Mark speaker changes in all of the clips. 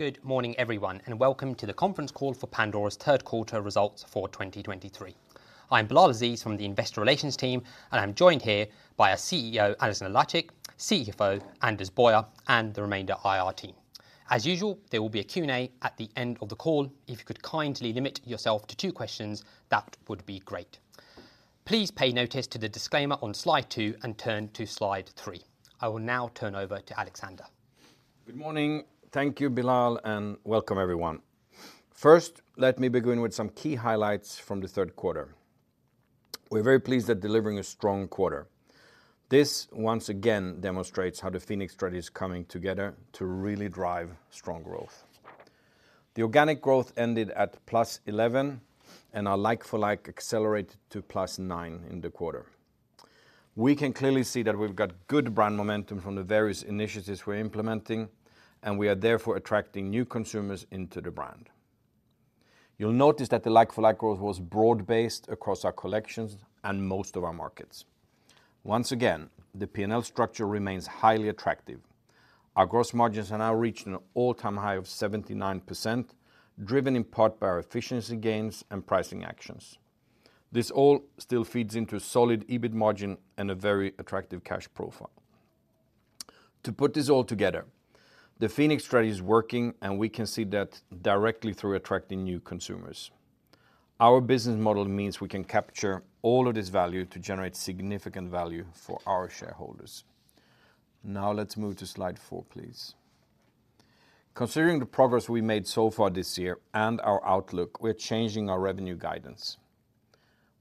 Speaker 1: Good morning, everyone, and welcome to the conference call for Pandora's third quarter results for 2023. I'm Bilal Aziz from the Investor Relations team, and I'm joined here by our CEO, Alexander Lacik, CFO, Anders Boyer, and the remainder of IR team. As usual, there will be a Q&A at the end of the call. If you could kindly limit yourself to two questions, that would be great. Please take notice to the disclaimer on slide two and turn to slide three. I will now turn over to Alexander.
Speaker 2: Good morning. Thank you, Bilal, and welcome everyone. First, let me begin with some key highlights from the third quarter. We're very pleased at delivering a strong quarter. This once again demonstrates how the Phoenix strategy is coming together to really drive strong growth. The organic growth ended at +11, and our like-for-like accelerated to +9 in the quarter. We can clearly see that we've got good brand momentum from the various initiatives we're implementing, and we are therefore attracting new consumers into the brand. You'll notice that the like-for-like growth was broad-based across our collections and most of our markets. Once again, the P&L structure remains highly attractive. Our gross margins are now reaching an all-time high of 79%, driven in part by our efficiency gains and pricing actions. This all still feeds into a solid EBIT margin and a very attractive cash profile. To put this all together, the Phoenix Strategy is working, and we can see that directly through attracting new consumers. Our business model means we can capture all of this value to generate significant value for our shareholders. Now, let's move to slide four, please. Considering the progress we made so far this year and our outlook, we're changing our revenue guidance.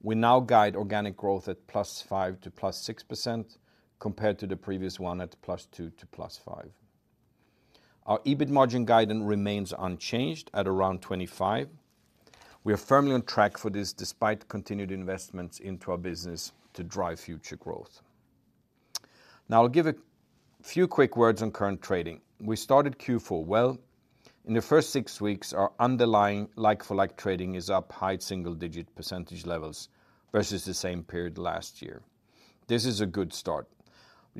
Speaker 2: We now guide organic growth at +5% to +6%, compared to the previous one at +2% to +5%. Our EBIT margin guidance remains unchanged at around 25%. We are firmly on track for this, despite continued investments into our business to drive future growth. Now, I'll give a few quick words on current trading. We started Q4 well. In the first six weeks, our underlying like-for-like trading is up high single-digit % levels versus the same period last year. This is a good start.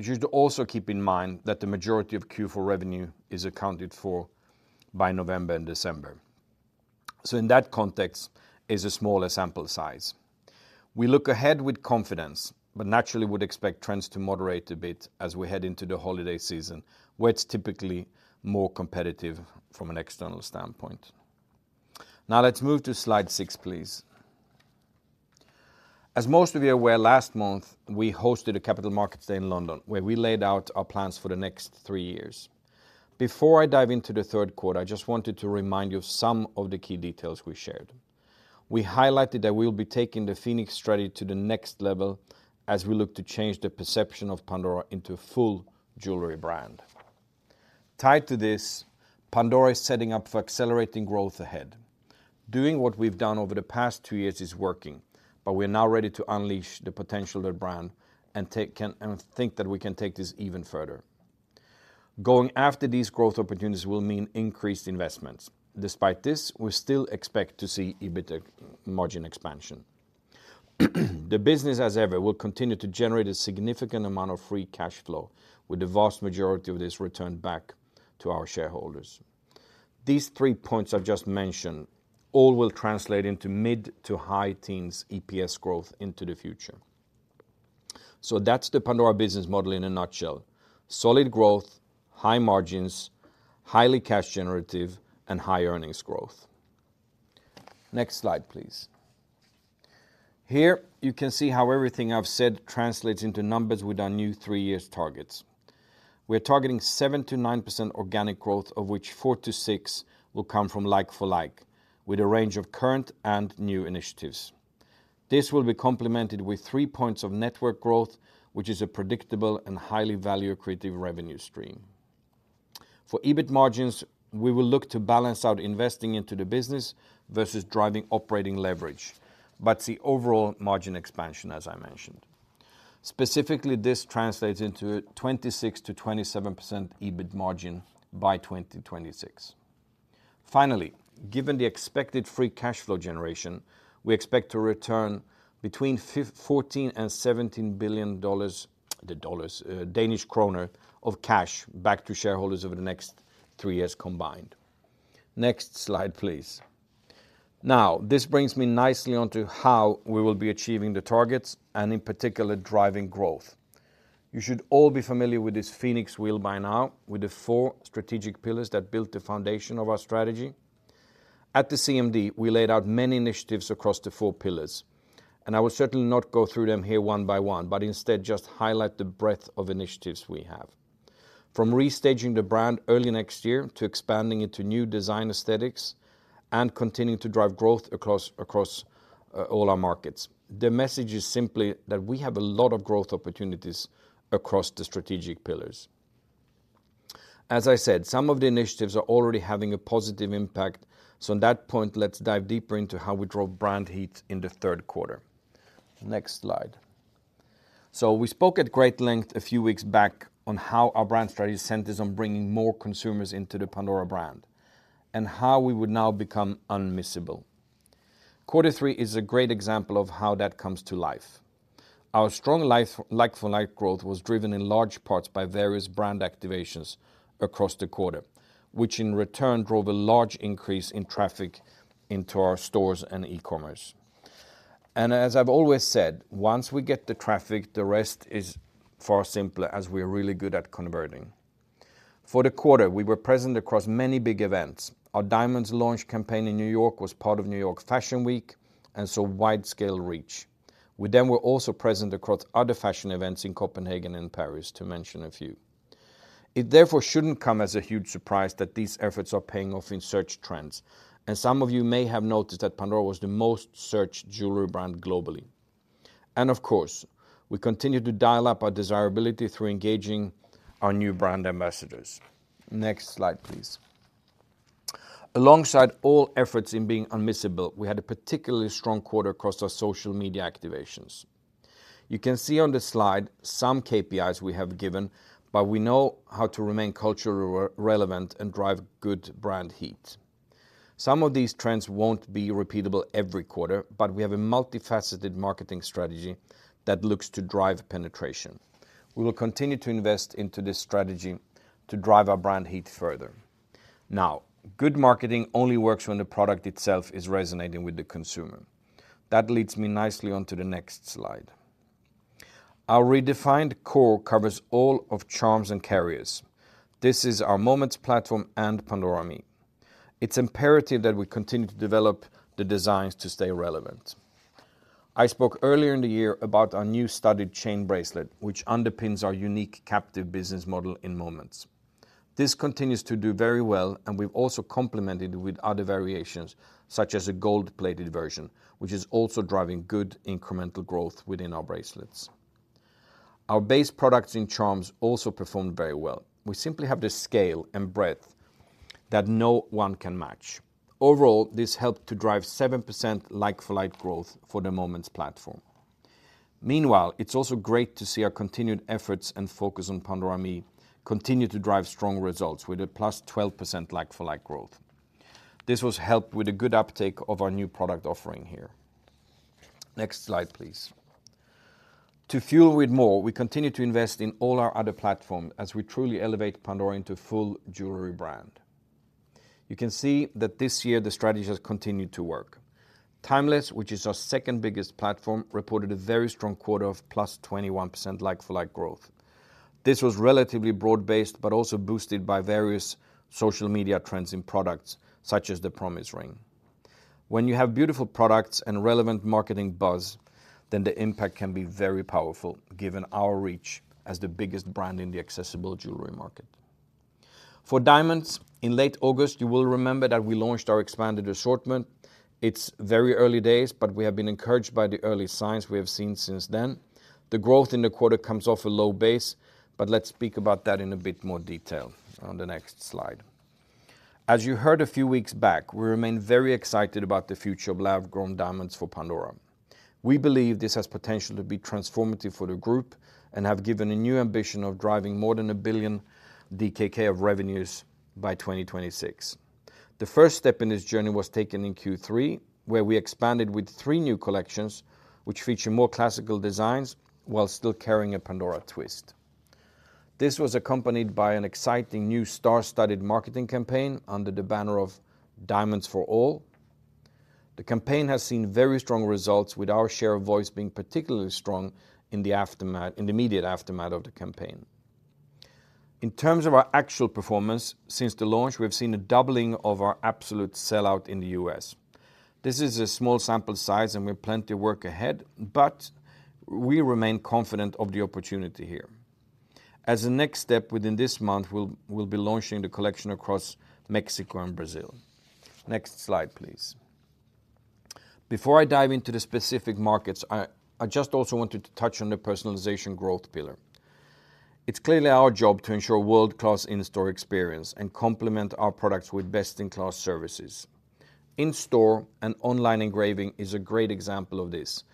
Speaker 2: We should also keep in mind that the majority of Q4 revenue is accounted for by November and December. So in that context, it's a smaller sample size. We look ahead with confidence, but naturally would expect trends to moderate a bit as we head into the holiday season, where it's typically more competitive from an external standpoint. Now, let's move to slide six, please. As most of you are aware, last month, we hosted a Capital Markets Day in London, where we laid out our plans for the next three years. Before I dive into the third quarter, I just wanted to remind you of some of the key details we shared. We highlighted that we'll be taking the Phoenix Strategy to the next level as we look to change the perception of Pandora into a full jewelry brand. Tied to this, Pandora is setting up for accelerating growth ahead. Doing what we've done over the past two years is working, but we are now ready to unleash the potential of the brand and think that we can take this even further. Going after these growth opportunities will mean increased investments. Despite this, we still expect to see EBITDA margin expansion. The business, as ever, will continue to generate a significant amount of free cash flow, with the vast majority of this returned back to our shareholders. These three points I've just mentioned all will translate into mid- to high-teens EPS growth into the future. So that's the Pandora business model in a nutshell: solid growth, high margins, highly cash generative, and high earnings growth. Next slide, please. Here you can see how everything I've said translates into numbers with our new three-year targets. We're targeting 7%-9% organic growth, of which 4-6 will come from like-for-like, with a range of current and new initiatives. This will be complemented with three points of network growth, which is a predictable and highly value-creating revenue stream. For EBIT margins, we will look to balance out investing into the business versus driving operating leverage, but see overall margin expansion, as I mentioned. Specifically, this translates into a 26%-27% EBIT margin by 2026. Finally, given the expected free cash flow generation, we expect to return between 14 billion and DKK 17 billion of cash back to shareholders over the next three years combined. Next slide, please. Now, this brings me nicely onto how we will be achieving the targets and in particular, driving growth. You should all be familiar with this Phoenix wheel by now, with the four strategic pillars that built the foundation of our strategy. At the CMD, we laid out many initiatives across the four pillars, and I will certainly not go through them here one by one, but instead just highlight the breadth of initiatives we have. From restaging the brand early next year, to expanding into new design aesthetics and continuing to drive growth across all our markets. The message is simply that we have a lot of growth opportunities across the strategic pillars. As I said, some of the initiatives are already having a positive impact. So on that point, let's dive deeper into how we drove brand heat in the third quarter. Next slide. So we spoke at great length a few weeks back on how our brand strategy centers on bringing more consumers into the Pandora brand and how we would now become unmissable. Quarter three is a great example of how that comes to life. Our strong LFL like-for-like growth was driven in large parts by various brand activations across the quarter, which in return drove a large increase in traffic into our stores and e-commerce. And as I've always said, once we get the traffic, the rest is far simpler, as we are really good at converting. For the quarter, we were present across many big events. Our diamonds launch campaign in New York was part of New York Fashion Week, and saw wide-scale reach. We then were also present across other fashion events in Copenhagen and Paris, to mention a few. It therefore shouldn't come as a huge surprise that these efforts are paying off in search trends, and some of you may have noticed that Pandora was the most searched jewelry brand globally. And of course, we continue to dial up our desirability through engaging our new brand ambassadors. Next slide, please. Alongside all efforts in being unmissable, we had a particularly strong quarter across our social media activations. You can see on the slide some KPIs we have given, but we know how to remain culturally relevant and drive good brand heat. Some of these trends won't be repeatable every quarter, but we have a multifaceted marketing strategy that looks to drive penetration. We will continue to invest into this strategy to drive our brand heat further. Now, good marketing only works when the product itself is resonating with the consumer. That leads me nicely onto the next slide. Our redefined core covers all of charms and carriers. This is our Moments platform and Pandora ME. It's imperative that we continue to develop the designs to stay relevant. I spoke earlier in the year about our new studded chain bracelet, which underpins our unique captive business model in Moments. This continues to do very well, and we've also complemented with other variations, such as a gold-plated version, which is also driving good incremental growth within our bracelets. Our base products in charms also performed very well. We simply have the scale and breadth that no one can match. Overall, this helped to drive 7% like-for-like growth for the Moments platform. Meanwhile, it's also great to see our continued efforts and focus on Pandora ME continue to drive strong results with a +12% like-for-like growth. This was helped with a good uptake of our new product offering here. Next slide, please. To fuel with more, we continue to invest in all our other platforms as we truly elevate Pandora into full jewelry brand. You can see that this year, the strategy has continued to work. Timeless, which is our second biggest platform, reported a very strong quarter of +21% like-for-like growth. This was relatively broad-based, but also boosted by various social media trends in products such as the promise ring. When you have beautiful products and relevant marketing buzz, then the impact can be very powerful, given our reach as the biggest brand in the accessible jewelry market. For diamonds, in late August, you will remember that we launched our expanded assortment. It's very early days, but we have been encouraged by the early signs we have seen since then. The growth in the quarter comes off a low base, but let's speak about that in a bit more detail on the next slide. As you heard a few weeks back, we remain very excited about the future of lab-grown diamonds for Pandora. We believe this has potential to be transformative for the group and have given a new ambition of driving more than 1 billion DKK of revenues by 2026. The first step in this journey was taken in Q3, where we expanded with three new collections, which feature more classical designs while still carrying a Pandora twist. This was accompanied by an exciting new star-studded marketing campaign under the banner of Diamonds For All. The campaign has seen very strong results, with our share of voice being particularly strong in the aftermath, in the immediate aftermath of the campaign. In terms of our actual performance, since the launch, we've seen a doubling of our absolute sell-out in the U.S. This is a small sample size and we have plenty of work ahead, but we remain confident of the opportunity here. As a next step, within this month, we'll be launching the collection across Mexico and Brazil. Next slide, please. Before I dive into the specific markets, I just also wanted to touch on the personalization growth pillar. It's clearly our job to ensure world-class in-store experience and complement our products with best-in-class services. In-store and online engraving is a great example of this,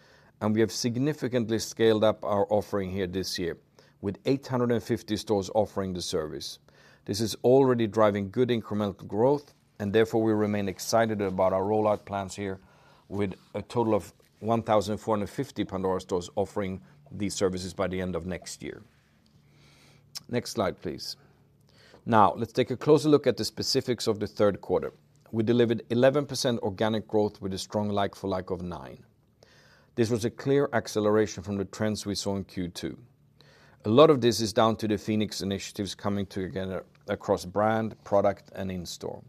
Speaker 2: and we have significantly scaled up our offering here this year, with 850 stores offering the service. This is already driving good incremental growth, and therefore we remain excited about our rollout plans here, with a total of 1,450 Pandora stores offering these services by the end of next year. Next slide, please. Now, let's take a closer look at the specifics of the third quarter. We delivered 11% organic growth with a strong like-for-like of nine. This was a clear acceleration from the trends we saw in Q2. A lot of this is down to the Phoenix initiatives coming together across brand, product, and in-store.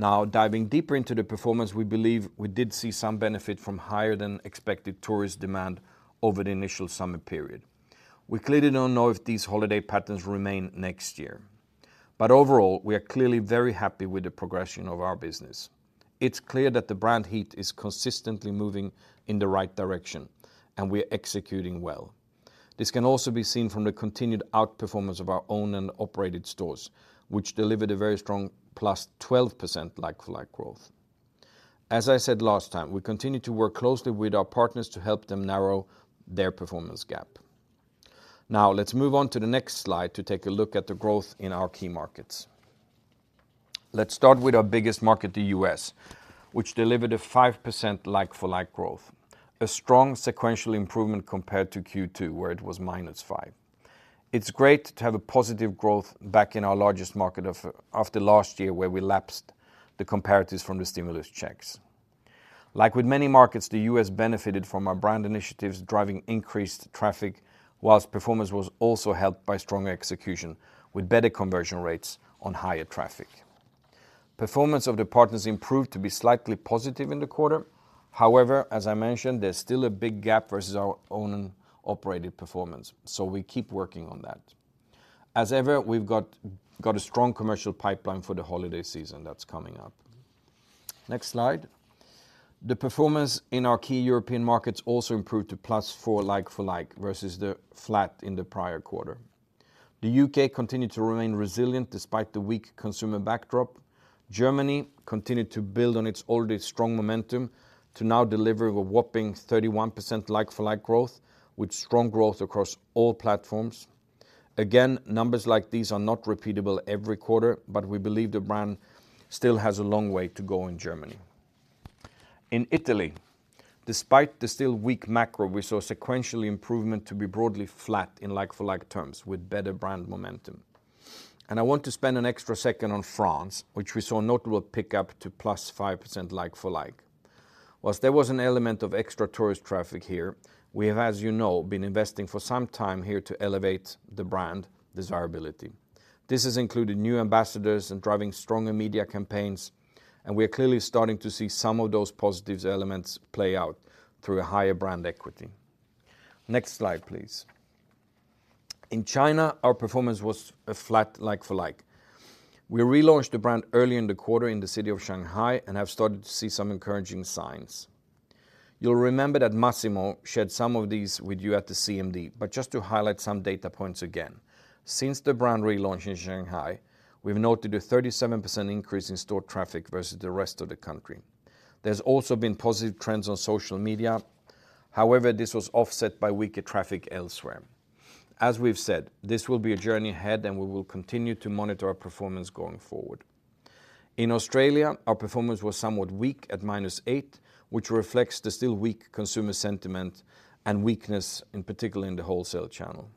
Speaker 2: Now, diving deeper into the performance, we believe we did see some benefit from higher than expected tourist demand over the initial summer period. We clearly don't know if these holiday patterns remain next year, but overall, we are clearly very happy with the progression of our business. It's clear that the brand heat is consistently moving in the right direction, and we are executing well. This can also be seen from the continued outperformance of our owned and operated stores, which delivered a very strong +12% like-for-like growth. As I said last time, we continue to work closely with our partners to help them narrow their performance gap. Now let's move on to the next slide to take a look at the growth in our key markets. Let's start with our biggest market, the U.S., which delivered a 5% like-for-like growth, a strong sequential improvement compared to Q2, where it was -5%. It's great to have a positive growth back in our largest market of, after last year, where we lapsed the comparatives from the stimulus checks. Like with many markets, the U.S. benefited from our brand initiatives, driving increased traffic, while performance was also helped by strong execution, with better conversion rates on higher traffic. Performance of the partners improved to be slightly positive in the quarter. However, as I mentioned, there's still a big gap versus our own operated performance, so we keep working on that. As ever, we've got a strong commercial pipeline for the holiday season that's coming up. Next slide. The performance in our key European markets also improved to +4 like-for-like versus the flat in the prior quarter. The U.K. continued to remain resilient despite the weak consumer backdrop. Germany continued to build on its already strong momentum to now deliver a whopping 31% like-for-like growth, with strong growth across all platforms. Again, numbers like these are not repeatable every quarter, but we believe the brand still has a long way to go in Germany. In Italy, despite the still weak macro, we saw sequential improvement to be broadly flat in like-for-like terms, with better brand momentum. I want to spend an extra second on France, which we saw notable pickup to +5% like-for-like. While there was an element of extra tourist traffic here, we have, as you know, been investing for some time here to elevate the brand desirability. This has included new ambassadors and driving stronger media campaigns, and we are clearly starting to see some of those positive elements play out through a higher brand equity. Next slide, please. In China, our performance was a flat like-for-like. We relaunched the brand early in the quarter in the city of Shanghai and have started to see some encouraging signs. You'll remember that Massimo shared some of these with you at the CMD, but just to highlight some data points again. Since the brand relaunch in Shanghai, we've noted a 37% increase in store traffic versus the rest of the country. There's also been positive trends on social media. However, this was offset by weaker traffic elsewhere. As we've said, this will be a journey ahead, and we will continue to monitor our performance going forward. In Australia, our performance was somewhat weak at -8%, which reflects the still weak consumer sentiment and weakness, in particular in the wholesale channel.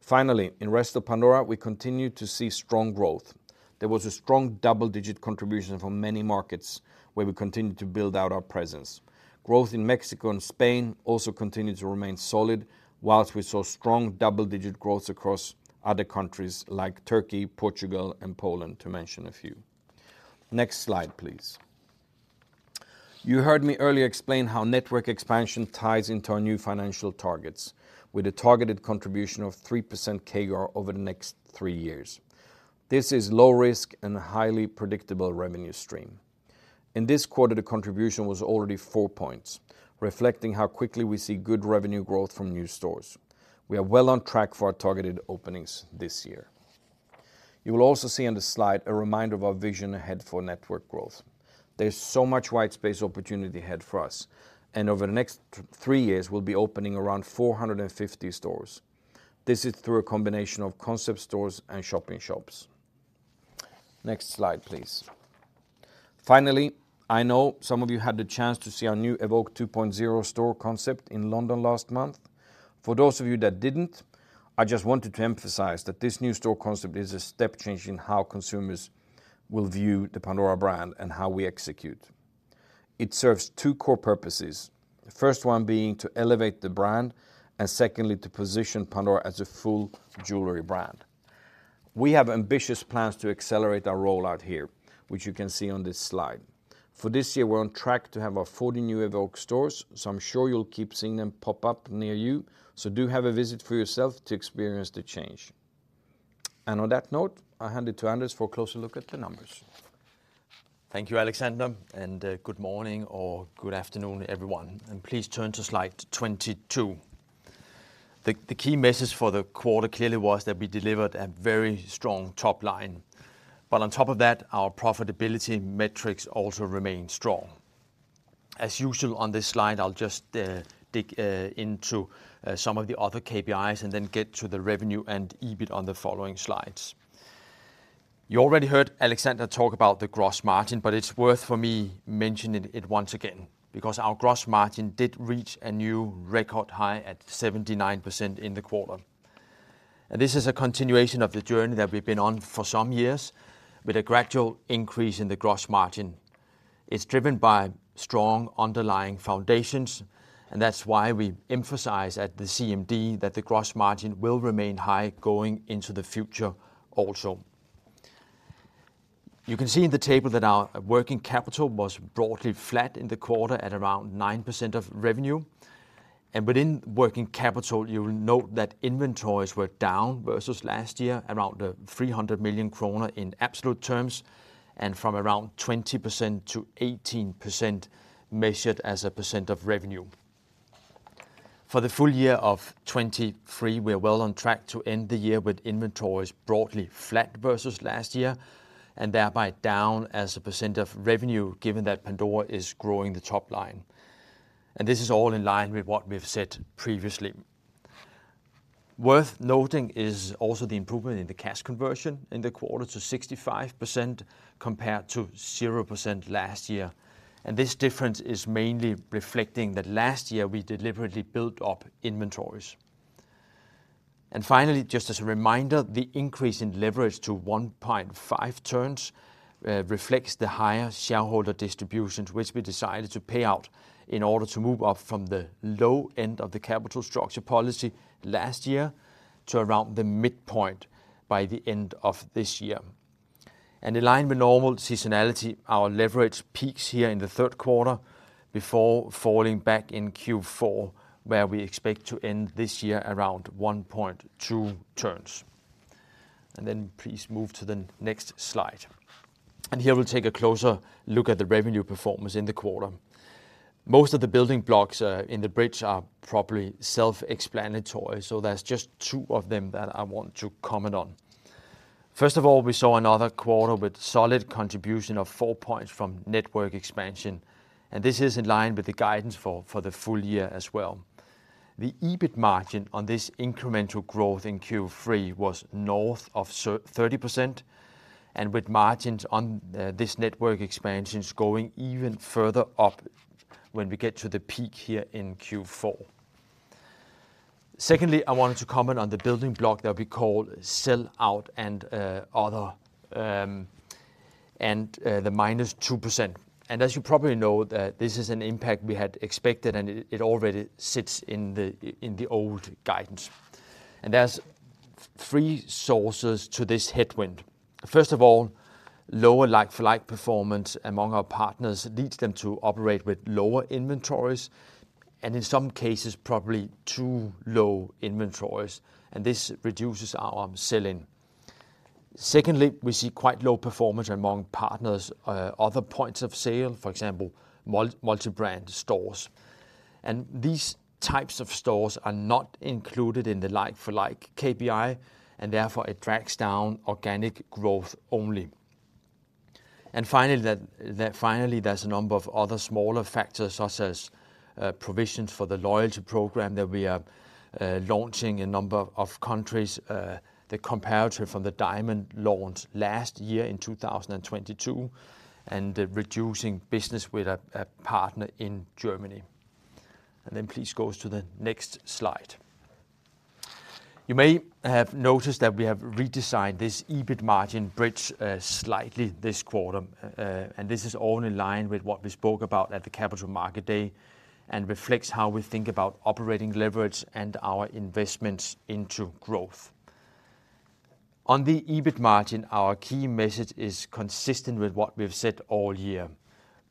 Speaker 2: Finally, in rest of Pandora, we continued to see strong growth. There was a strong double-digit contribution from many markets where we continued to build out our presence. Growth in Mexico and Spain also continued to remain solid, while we saw strong double-digit growth across other countries like Turkey, Portugal, and Poland, to mention a few. Next slide, please. You heard me earlier explain how network expansion ties into our new financial targets with a targeted contribution of 3% CAGR over the next three years. This is low risk and highly predictable revenue stream. In this quarter, the contribution was already four points, reflecting how quickly we see good revenue growth from new stores. We are well on track for our targeted openings this year. You will also see on the slide a reminder of our vision ahead for network growth. There's so much white space opportunity ahead for us, and over the next three years, we'll be opening around 450 stores. This is through a combination of concept stores and shop-in-shops. Next slide, please. Finally, I know some of you had the chance to see our new Evoke 2.0 store concept in London last month. For those of you that didn't, I just wanted to emphasize that this new store concept is a step change in how consumers will view the Pandora brand and how we execute. It serves two core purposes, the first one being to elevate the brand, and secondly, to position Pandora as a full jewelry brand. We have ambitious plans to accelerate our rollout here, which you can see on this slide. For this year, we're on track to have our 40 new Evoke stores, so I'm sure you'll keep seeing them pop up near you. Do have a visit for yourself to experience the change. On that note, I hand it to Anders for a closer look at the numbers.
Speaker 3: Thank you, Alexander, and good morning or good afternoon, everyone, and please turn to slide 22. The key message for the quarter clearly was that we delivered a very strong top line, but on top of that, our profitability metrics also remained strong. As usual on this slide, I'll just dig into some of the other KPIs and then get to the revenue and EBIT on the following slides. You already heard Alexander talk about the gross margin, but it's worth for me mentioning it once again, because our gross margin did reach a new record high at 79% in the quarter. And this is a continuation of the journey that we've been on for some years, with a gradual increase in the gross margin. It's driven by strong underlying foundations, and that's why we emphasize at the CMD that the gross margin will remain high going into the future also. You can see in the table that our working capital was broadly flat in the quarter at around 9% of revenue, and within working capital, you will note that inventories were down versus last year, around 300 million kroner in absolute terms, and from around 20% to 18%, measured as a percent of revenue. For the full year of 2023, we are well on track to end the year with inventories broadly flat versus last year, and thereby down as a percent of revenue, given that Pandora is growing the top line. This is all in line with what we've said previously. Worth noting is also the improvement in the cash conversion in the quarter to 65%, compared to 0% last year. This difference is mainly reflecting that last year we deliberately built up inventories. Finally, just as a reminder, the increase in leverage to 1.5 turns reflects the higher shareholder distributions, which we decided to pay out in order to move up from the low end of the capital structure policy last year to around the midpoint by the end of this year. In line with normal seasonality, our leverage peaks here in the third quarter before falling back in Q4, where we expect to end this year around 1.2 turns. Then please move to the next slide. Here we'll take a closer look at the revenue performance in the quarter. Most of the building blocks in the bridge are probably self-explanatory, so there's just two of them that I want to comment on. First of all, we saw another quarter with solid contribution of four points from network expansion, and this is in line with the guidance for the full year as well. The EBIT margin on this incremental growth in Q3 was north of 30% and with margins on this network expansions going even further up when we get to the peak here in Q4. Secondly, I wanted to comment on the building block that we call sell out and other and the -2%. And as you probably know, that this is an impact we had expected, and it already sits in the old guidance. And there's three sources to this headwind. First of all, lower like-for-like performance among our partners leads them to operate with lower inventories, and in some cases, probably too low inventories, and this reduces our sell-in. Secondly, we see quite low performance among partners, other points of sale, for example, multi-brand stores. And these types of stores are not included in the like-for-like KPI, and therefore it drags down organic growth only. And finally, finally, there's a number of other smaller factors, such as, provisions for the loyalty program that we are launching a number of countries, the comparator from the Diamond launch last year in 2022, and reducing business with a partner in Germany. And then please go to the next slide. You may have noticed that we have redesigned this EBIT margin bridge slightly this quarter, and this is all in line with what we spoke about at the Capital Markets Day and reflects how we think about operating leverage and our investments into growth. On the EBIT margin, our key message is consistent with what we've said all year.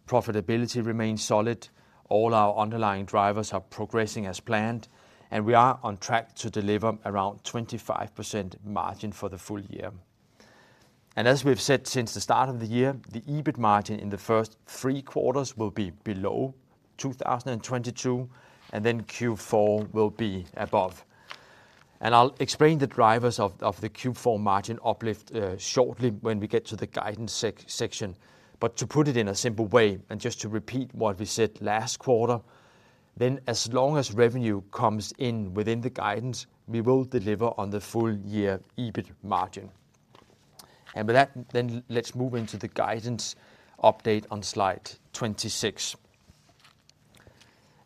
Speaker 3: Profitability remains solid, all our underlying drivers are progressing as planned, and we are on track to deliver around 25% margin for the full year. As we've said since the start of the year, the EBIT margin in the first three quarters will be below 2022, and then Q4 will be above. I'll explain the drivers of the Q4 margin uplift shortly when we get to the guidance section. But to put it in a simple way, and just to repeat what we said last quarter, then as long as revenue comes in within the guidance, we will deliver on the full year EBIT margin. And with that, then let's move into the guidance update on slide 26.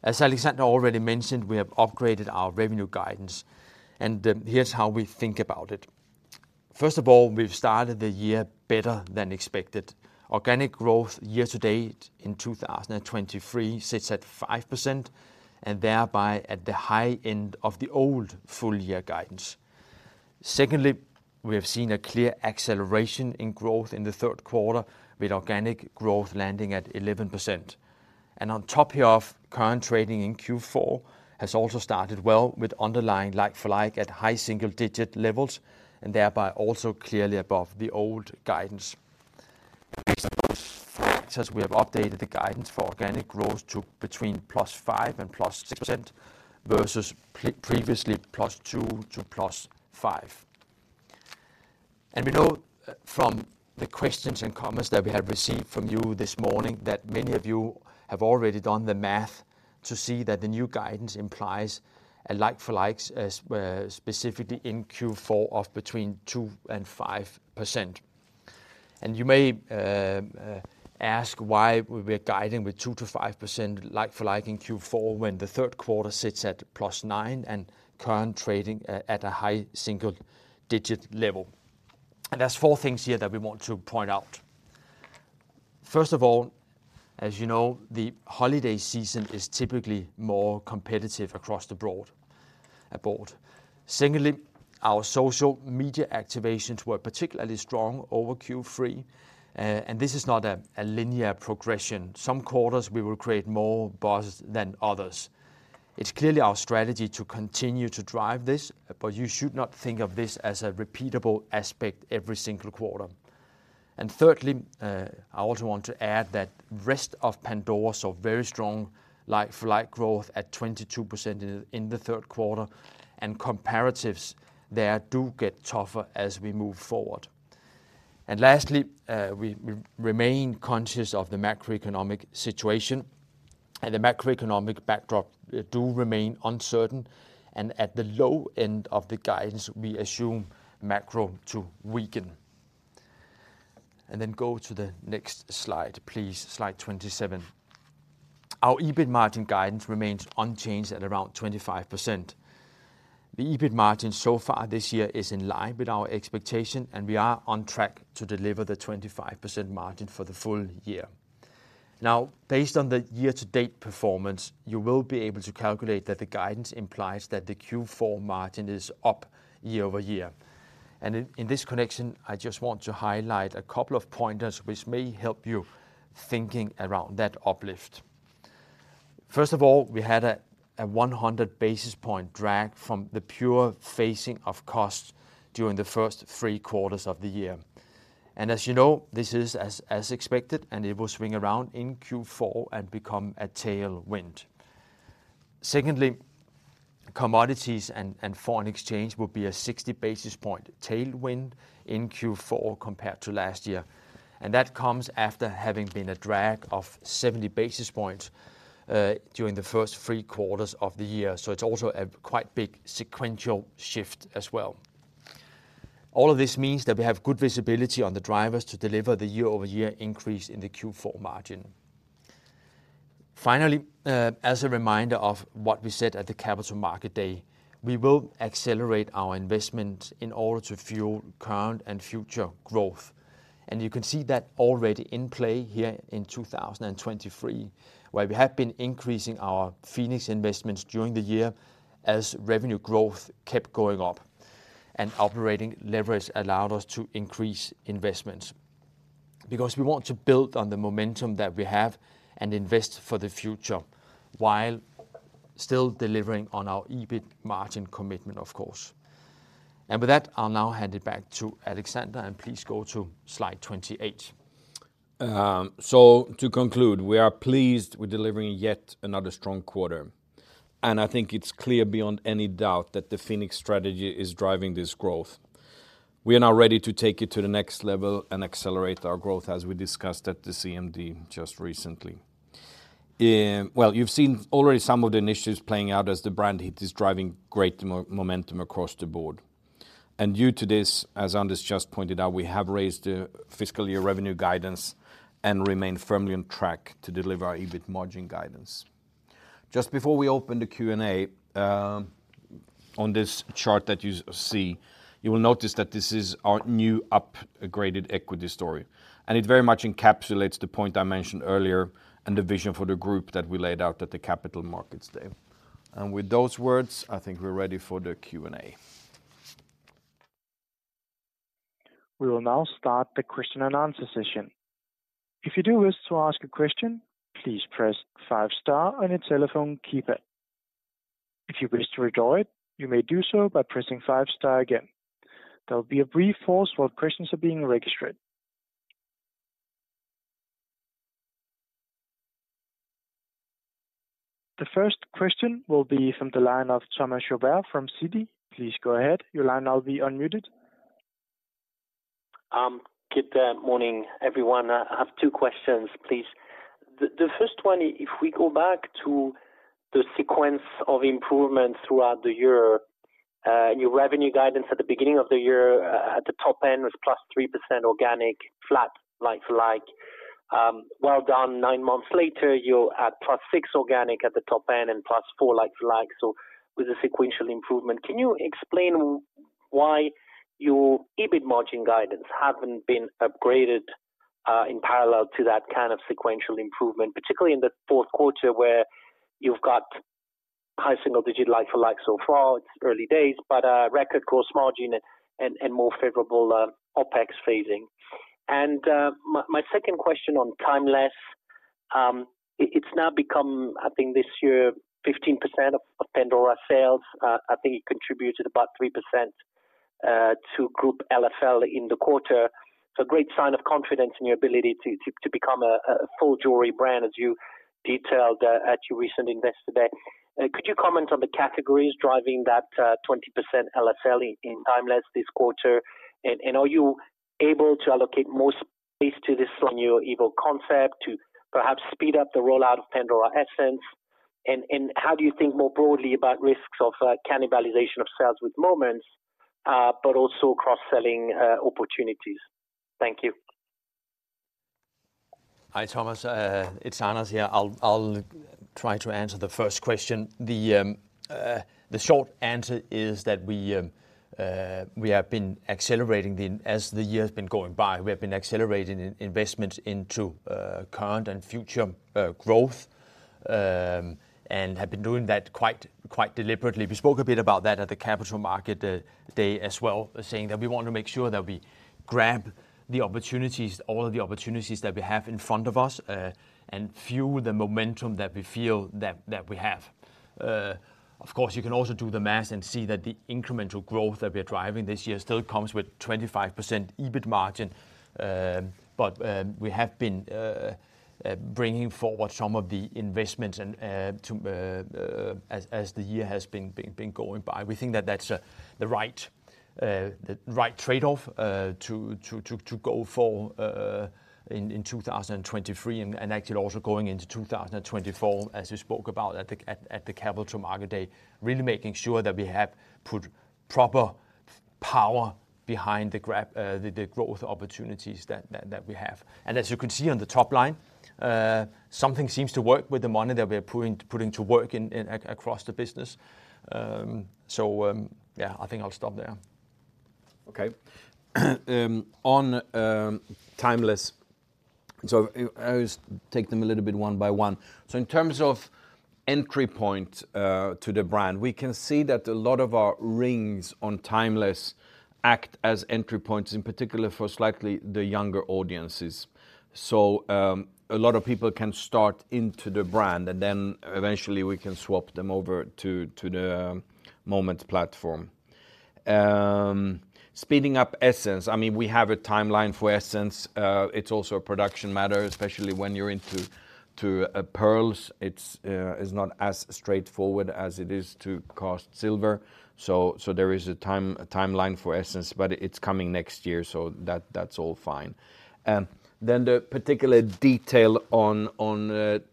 Speaker 3: As Alexander already mentioned, we have upgraded our revenue guidance, and here's how we think about it. First of all, we've started the year better than expected. Organic growth year to date in 2023 sits at 5%, and thereby at the high end of the old full year guidance. Secondly, we have seen a clear acceleration in growth in the third quarter, with organic growth landing at 11%. On top of current trading in Q4, has also started well with underlying like-for-like at high single-digit levels, and thereby also clearly above the old guidance. Based on those factors, we have updated the guidance for organic growth to between +5% and +6% versus previously +2% to +5%. And we know from the questions and comments that we have received from you this morning, that many of you have already done the math to see that the new guidance implies like-for-like, specifically in Q4, of between 2% and 5%. And you may ask why we are guiding with 2%-5% like-for-like in Q4, when the third quarter sits at +9%, and current trading at a high single-digit level. And there's four things here that we want to point out. First of all, as you know, the holiday season is typically more competitive across the board, abroad. Secondly, our social media activations were particularly strong over Q3, and this is not a linear progression. Some quarters we will create more buzz than others. It's clearly our strategy to continue to drive this, but you should not think of this as a repeatable aspect every single quarter. And thirdly, I also want to add that rest of Pandora saw very strong like-for-like growth at 22% in the third quarter, and comparatives there do get tougher as we move forward. And lastly, we remain conscious of the macroeconomic situation, and the macroeconomic backdrop do remain uncertain, and at the low end of the guidance, we assume macro to weaken. Then go to the next slide, please. Slide 27. Our EBIT margin guidance remains unchanged at around 25%. The EBIT margin so far this year is in line with our expectation, and we are on track to deliver the 25% margin for the full year. Now, based on the year-to-date performance, you will be able to calculate that the guidance implies that the Q4 margin is up year-over-year. In this connection, I just want to highlight a couple of pointers, which may help you thinking around that uplift. First of all, we had a 100 basis point drag from the pure phasing of costs during the first three quarters of the year. And as you know, this is as expected, and it will swing around in Q4 and become a tailwind. Secondly, commodities and foreign exchange will be a 60 basis point tailwind in Q4 compared to last year, and that comes after having been a drag of 70 basis points during the first three quarters of the year. So it's also a quite big sequential shift as well. All of this means that we have good visibility on the drivers to deliver the year-over-year increase in the Q4 margin. Finally, as a reminder of what we said at the Capital Markets Day, we will accelerate our investment in order to fuel current and future growth. And you can see that already in play here in 2023, where we have been increasing our Phoenix investments during the year as revenue growth kept going up, and operating leverage allowed us to increase investments. Because we want to build on the momentum that we have and invest for the future, while still delivering on our EBIT margin commitment, of course. With that, I'll now hand it back to Alexander, and please go to slide 28.
Speaker 2: So to conclude, we are pleased with delivering yet another strong quarter, and I think it's clear beyond any doubt that the Phoenix Strategy is driving this growth. We are now ready to take it to the next level and accelerate our growth, as we discussed at the CMD just recently. Well, you've seen already some of the initiatives playing out as the brand heat is driving great momentum across the board. Due to this, as Anders just pointed out, we have raised the fiscal year revenue guidance and remain firmly on track to deliver our EBIT margin guidance. Just before we open the Q&A, on this chart that you see, you will notice that this is our new upgraded equity story, and it very much encapsulates the point I mentioned earlier and the vision for the group that we laid out at the Capital Markets Day. With those words, I think we're ready for the Q&A.
Speaker 4: We will now start the question and answer session. If you do wish to ask a question, please press five star on your telephone keypad. If you wish to withdraw it, you may do so by pressing five star again. There will be a brief pause while questions are being registered. The first question will be from the line of Thomas Chauvet from Citi. Please go ahead. Your line now will be unmuted.
Speaker 5: Good morning, everyone. I have two questions, please. The first one, if we go back to the sequence of improvements throughout the year, your revenue guidance at the beginning of the year, at the top end, was +3% organic, flat like-for-like. Well done, nine months later, you're at +6% organic at the top end and +4% like-for-like, so with a sequential improvement. Can you explain why your EBIT margin guidance haven't been upgraded, in parallel to that kind of sequential improvement, particularly in the fourth quarter, where you've got high single-digit like-for-like so far? It's early days, but record cost margin and more favorable OpEx phasing. My second question on Timeless. It's now become, I think, this year, 15% of Pandora sales. I think it contributed about 3% to group LFL in the quarter. So a great sign of confidence in your ability to become a full jewelry brand, as you detailed at your recent Investor Day. Could you comment on the categories driving that 20% LFL in Timeless this quarter? And are you able to allocate more space to this from your Evoke concept to perhaps speed up the rollout of Pandora Essence? And how do you think more broadly about risks of cannibalization of sales with Moments, but also cross-selling opportunities? Thank you.
Speaker 3: Hi, Thomas, it's Anders here. I'll try to answer the first question. The short answer is that we have been accelerating the as the year has been going by, we have been accelerating in investments into current and future growth, and have been doing that quite deliberately. We spoke a bit about that at the Capital Markets Day as well, saying that we want to make sure that we grab the opportunities, all of the opportunities that we have in front of us, and fuel the momentum that we feel that we have. Of course, you can also do the math and see that the incremental growth that we are driving this year still comes with 25% EBIT margin. But we have been bringing forward some of the investments and to as the year has been going by. We think that that's the right trade-off to go for in 2023, and actually also going into 2024, as we spoke about at the Capital Markets Day. Really making sure that we have put proper power behind the grab, the growth opportunities that we have. And as you can see on the top line, something seems to work with the money that we're putting to work across the business. So, yeah, I think I'll stop there.
Speaker 2: Okay. On Timeless, so I'll just take them a little bit one by one. So in terms of entry point to the brand, we can see that a lot of our rings on Timeless act as entry points, in particular for slightly the younger audiences. So a lot of people can start into the brand, and then eventually we can swap them over to the Moment platform. Speeding up Essence, I mean, we have a timeline for Essence. It's also a production matter, especially when you're into pearls. It's not as straightforward as it is to cast silver. So there is a timeline for Essence, but it's coming next year, so that's all fine. Then the particular detail on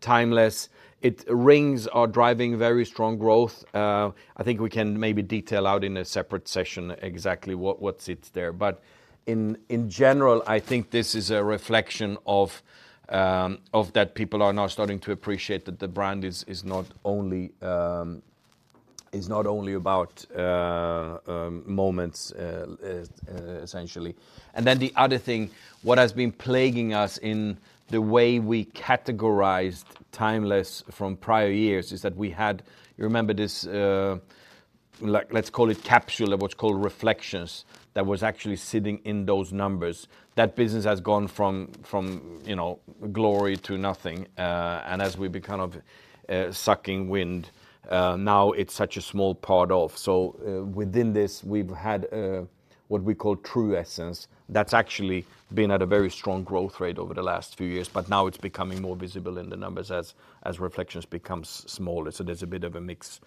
Speaker 2: Timeless, it... Rings are driving very strong growth. I think we can maybe detail out in a separate session exactly what sits there. But in general, I think this is a reflection of of that people are now starting to appreciate that the brand is not only about Moments, essentially. And then the other thing, what has been plaguing us in the way we categorized Timeless from prior years, is that we had, you remember this, let's call it capsule, of what's called Reflexions, that was actually sitting in those numbers. That business has gone from, you know, glory to nothing, and as we've been kind of sucking wind, now it's such a small part of. So, within this, we've had what we call true Essence. That's actually been at a very strong growth rate over the last few years, but now it's becoming more visible in the numbers as Reflexions becomes smaller. So there's a bit of a mix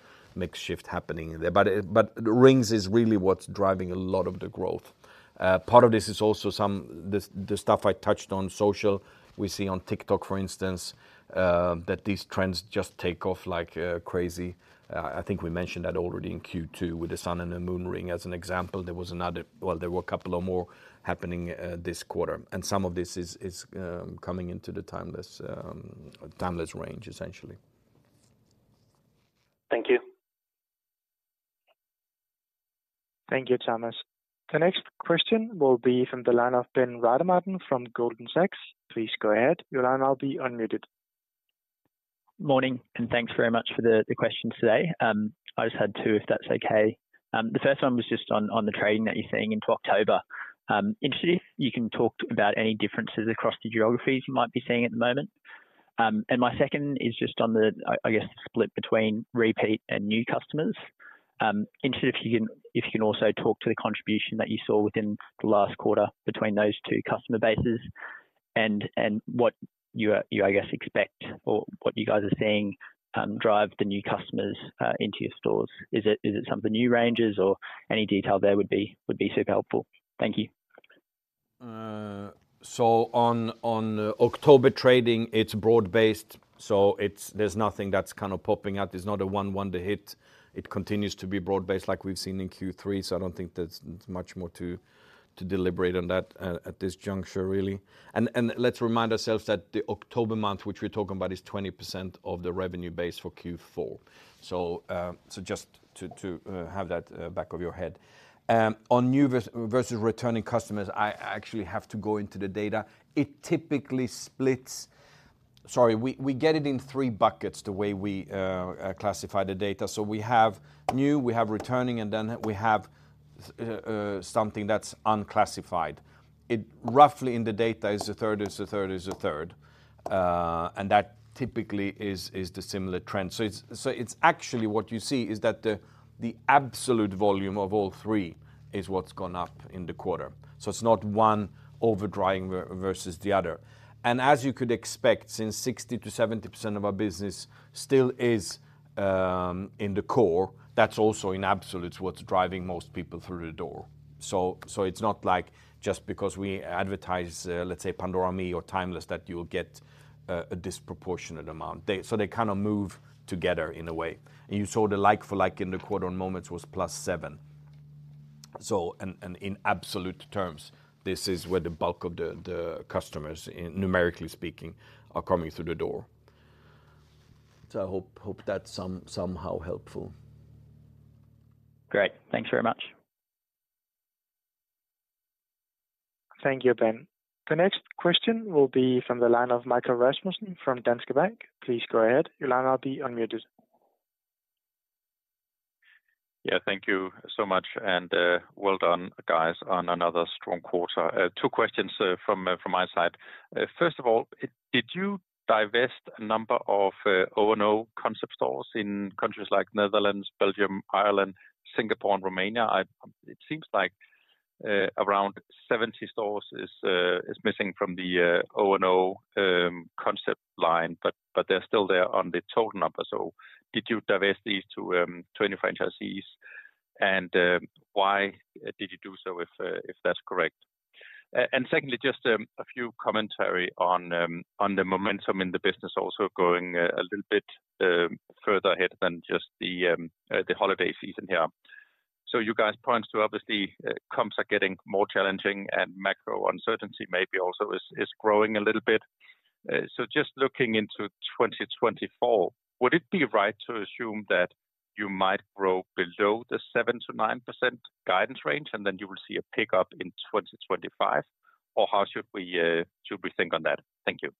Speaker 2: shift happening in there. But rings is really what's driving a lot of the growth. Part of this is also the stuff I touched on social. We see on TikTok, for instance, that these trends just take off like crazy. I think we mentioned that already in Q2 with the sun and the moon ring as an example. There was another. Well, there were a couple more happening this quarter, and some of this is coming into the Timeless range, essentially.
Speaker 5: Thank you.
Speaker 4: Thank you, Thomas. The next question will be from the line of Ben Rada Martin from Goldman Sachs. Please go ahead. Your line will be unmuted.
Speaker 6: Morning, and thanks very much for the questions today. I just had two, if that's okay. The first one was just on the trading that you're seeing into October. Interested if you can talk about any differences across the geographies you might be seeing at the moment? And my second is just on the split between repeat and new customers. Interested if you can also talk to the contribution that you saw within the last quarter between those two customer bases, and what you, I guess, expect, or what you guys are seeing drive the new customers into your stores. Is it some of the new ranges or any detail there would be super helpful. Thank you.
Speaker 2: So on October trading, it's broad-based, so there's nothing that's kind of popping out. There's not a one wonder hit. It continues to be broad-based like we've seen in Q3, so I don't think there's much more to deliberate on that at this juncture, really. And let's remind ourselves that the October month, which we're talking about, is 20% of the revenue base for Q4. So just to have that back of your head. On new versus returning customers, I actually have to go into the data. It typically splits. Sorry, we get it in three buckets, the way we classify the data. So we have new, we have returning, and then we have something that's unclassified. It roughly in the data is a third, a third, a third. And that typically is the similar trend. So it's actually what you see is that the absolute volume of all three is what's gone up in the quarter. So it's not one overriding versus the other. And as you could expect, since 60%-70% of our business still is in the core, that's also in absolute what's driving most people through the door. So it's not like just because we advertise, let's say, Pandora ME or Timeless, that you will get a disproportionate amount. So they kind of move together in a way. And you saw the like-for-like in the quarter on Moments was +7%. And in absolute terms, this is where the bulk of the customers, numerically speaking, are coming through the door. So I hope that's somehow helpful.
Speaker 6: Great. Thanks very much.
Speaker 4: Thank you, Ben. The next question will be from the line of Michael Rasmussen from Danske Bank. Please go ahead. Your line will be unmuted.
Speaker 7: Yeah, thank you so much, and well done, guys, on another strong quarter. Two questions from my side. First of all, did you divest a number of O&O concept stores in countries like Netherlands, Belgium, Ireland, Singapore, and Romania? It seems like around 70 stores is missing from the O&O concept line, but they're still there on the total number. So did you divest these to 20 franchisees? And why did you do so, if that's correct? And secondly, just a few commentary on the momentum in the business also going a little bit further ahead than just the holiday season here. So you guys point to, obviously, comps are getting more challenging and macro uncertainty maybe also is growing a little bit. So just looking into 2024, would it be right to assume that you might grow below the 7%-9% guidance range, and then you will see a pickup in 2025? Or how should we, should we think on that? Thank you.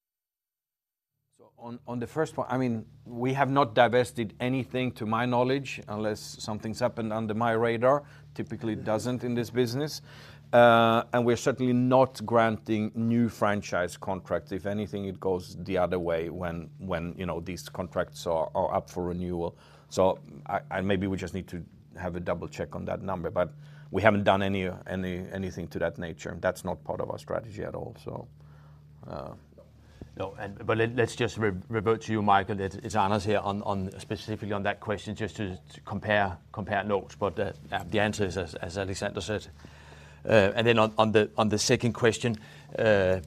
Speaker 2: So on the first one, I mean, we have not divested anything to my knowledge, unless something's happened under my radar. Typically, it doesn't in this business. And we're certainly not granting new franchise contracts. If anything, it goes the other way when you know these contracts are up for renewal. So, and maybe we just need to have a double check on that number, but we haven't done anything to that nature. That's not part of our strategy at all, so.
Speaker 3: No, but let's just revert to you, Michael. It's honest here on specifically on that question, just to compare notes, but the answer is, as Alexander said. And then on the second question, I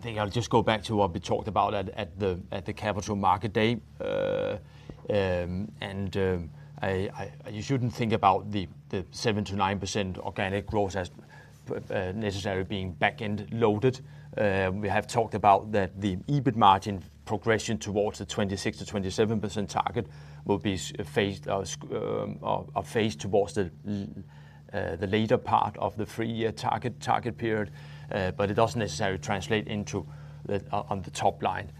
Speaker 3: think I'll just go back to what we talked about at the Capital Markets Day. You shouldn't think about the 7%-9% organic growth as necessarily being back-end loaded. We have talked about that the EBIT margin progression towards the 26%-27% target will be phased, or phased towards the later part of the three-year target period. But it doesn't necessarily translate into the top line.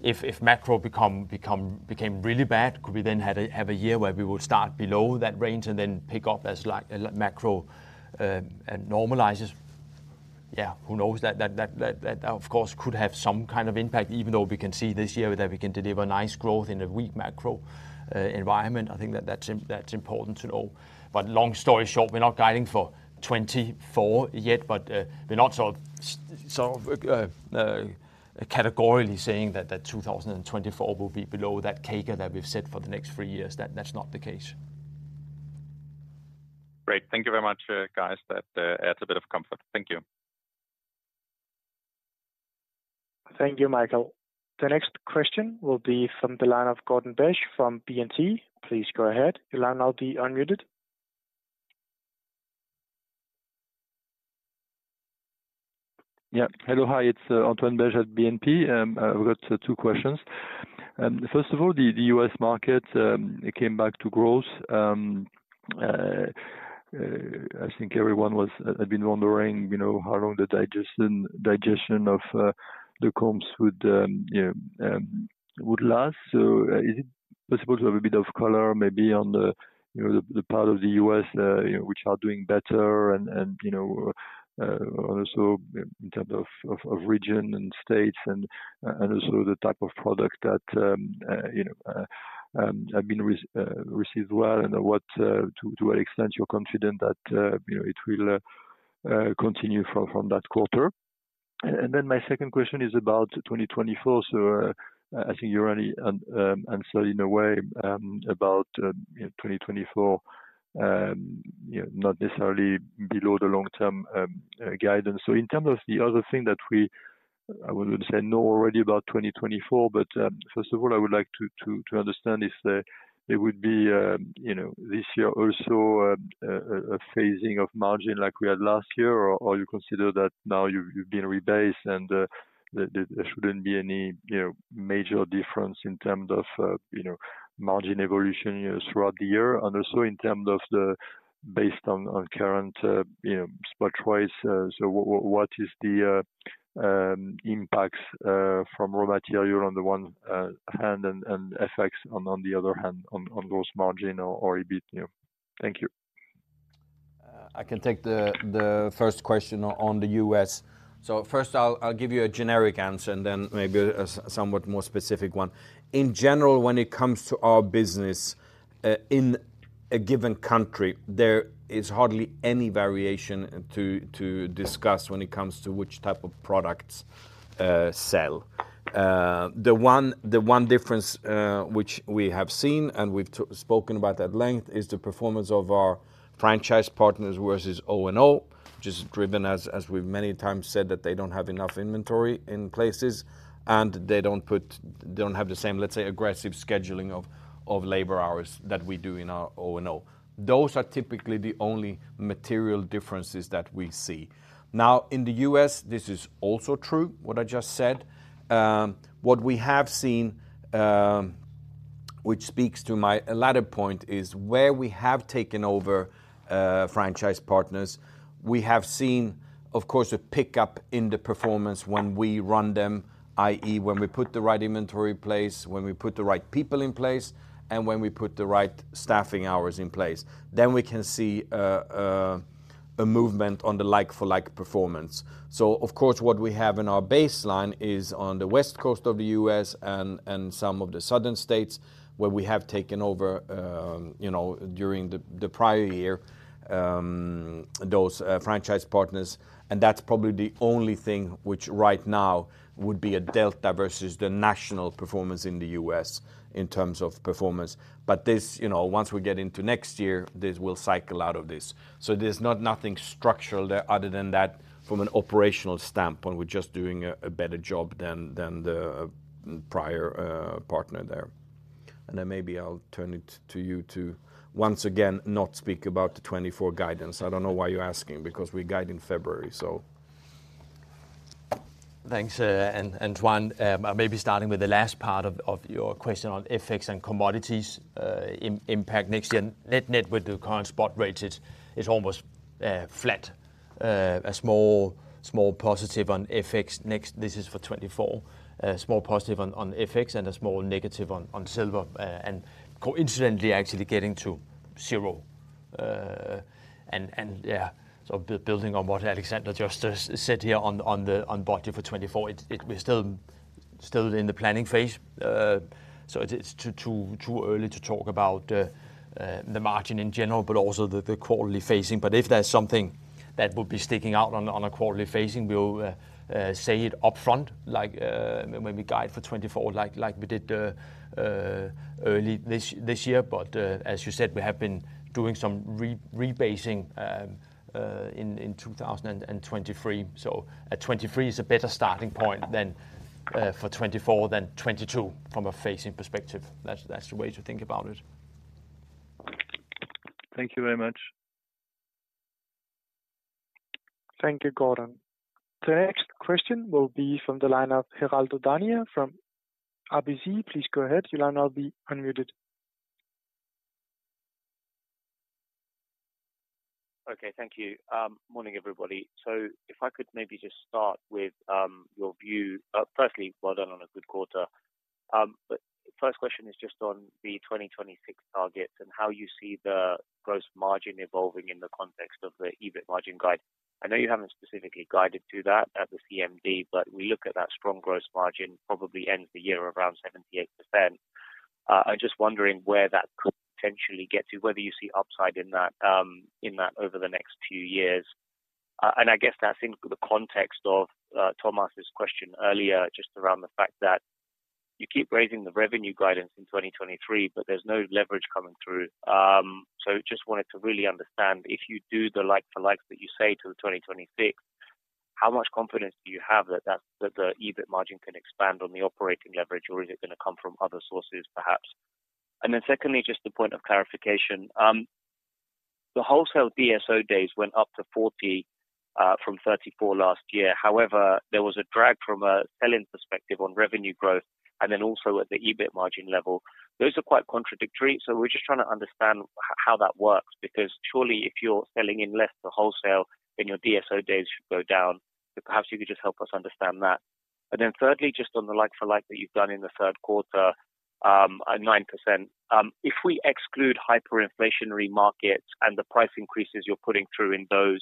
Speaker 3: If macro became really bad, could we then have a year where we will start below that range and then pick up as like macro normalizes? Yeah, who knows? That of course could have some kind of impact, even though we can see this year that we can deliver nice growth in a weak macro environment. I think that's important to know. But long story short, we're not guiding for 2024 yet, but we're not so categorically saying that the 2024 will be below that CAGR that we've set for the next three years. That's not the case.
Speaker 7: Great. Thank you very much, guys. That adds a bit of comfort. Thank you.
Speaker 4: Thank you, Michael. The next question will be from the line of Antoine Belge from BNP. Please go ahead. Your line now be unmuted.
Speaker 8: Yeah. Hello, hi, it's Antoine Belge at BNP. I've got two questions. First of all, the U.S. market, it came back to growth. I think everyone had been wondering, you know, how long the digestion of the comps would last. So, is it possible to have a bit of color, maybe on the, you know, the part of the U.S. which are doing better and, you know, also in terms of region and states and also the type of product that, you know, have been received well, and what to what extent you're confident that, you know, it will continue from that quarter? And then my second question is about 2024. So, I think you already answered in a way about 2024, you know, not necessarily below the long-term guidance. So in terms of the other thing that we, I wouldn't say know already about 2024, but first of all, I would like to understand is that it would be, you know, this year also a phasing of margin like we had last year, or you consider that now you've been rebased, and there shouldn't be any, you know, major difference in terms of, you know, margin evolution throughout the year? And also in terms of, based on current spot price, you know, so what is the impacts from raw material on the one hand and FX on the other hand, on those margin or EBIT, you know? Thank you.
Speaker 2: I can take the first question on the U.S. So first, I'll give you a generic answer and then maybe a somewhat more specific one. In general, when it comes to our business in a given country, there is hardly any variation to discuss when it comes to which type of products sell. The one difference which we have seen, and we've spoken about at length, is the performance of our franchise partners versus O&O, which is driven as we've many times said, that they don't have enough inventory in places, and they don't have the same, let's say, aggressive scheduling of labor hours that we do in our O&O. Those are typically the only material differences that we see. Now, in the U.S., this is also true, what I just said. What we have seen, which speaks to my latter point, is where we have taken over franchise partners, we have seen, of course, a pickup in the performance when we run them, i.e., when we put the right inventory in place, when we put the right people in place, and when we put the right staffing hours in place. Then we can see a movement on the like-for-like performance. So of course, what we have in our baseline is on the West Coast of the U.S. and some of the southern states where we have taken over, you know, during the prior year, those franchise partners. And that's probably the only thing which right now would be a delta versus the national performance in the U.S. in terms of performance. But this, you know, once we get into next year, this will cycle out of this. So there's not nothing structural there other than that from an operational standpoint, we're just doing a better job than the prior partner there. And then maybe I'll turn it to you to, once again, not speak about the 2024 guidance. I don't know why you're asking, because we guide in February, so.
Speaker 3: Thanks, and, Antoine, maybe starting with the last part of your question on FX and commodities, impact next year. Net net with the current spot rates, it's almost flat. A small positive on FX. Next, this is for 2024. Small positive on FX and a small negative on silver. And coincidentally, actually getting to zero. And yeah, so building on what Alexander just said here on the budget for 2024, it-- we're still in the planning phase. So it's too early to talk about the margin in general, but also the quarterly phasing. But if there's something that would be sticking out on a quarterly phasing, we'll say it upfront, like when we guide for 2024, like we did early this year. But as you said, we have been doing some rebasing in 2023. So 2023 is a better starting point than for 2024 than 2022, from a phasing perspective. That's the way to think about it.
Speaker 8: Thank you very much.
Speaker 4: Thank you, Antoine. The next question will be from the line of Piral Dadhania from RBC. Please go ahead. Your line now being unmuted.
Speaker 9: Okay, thank you. Morning, everybody. So if I could maybe just start with your view. Firstly, well done on a good quarter. But first question is just on the 2026 target and how you see the gross margin evolving in the context of the EBIT margin guide. I know you haven't specifically guided to that at the CMD, but we look at that strong gross margin, probably end of the year around 78%. I'm just wondering where that could potentially get to, whether you see upside in that, in that over the next few years. And I guess that's in the context of Thomas' question earlier, just around the fact that you keep raising the revenue guidance in 2023, but there's no leverage coming through. So just wanted to really understand, if you do the like-for-like that you say to 2026, how much confidence do you have that the EBIT margin can expand on the operating leverage, or is it gonna come from other sources, perhaps? And then secondly, just a point of clarification. The wholesale DSO days went up to 40 from 34 last year. However, there was a drag from a sell-in perspective on revenue growth and then also at the EBIT margin level. Those are quite contradictory, so we're just trying to understand how that works, because surely, if you're selling in less to wholesale, then your DSO days should go down. So perhaps you could just help us understand that. And then thirdly, just on the like-for-like that you've done in the third quarter at 9%, if we exclude hyperinflationary markets and the price increases you're putting through in those,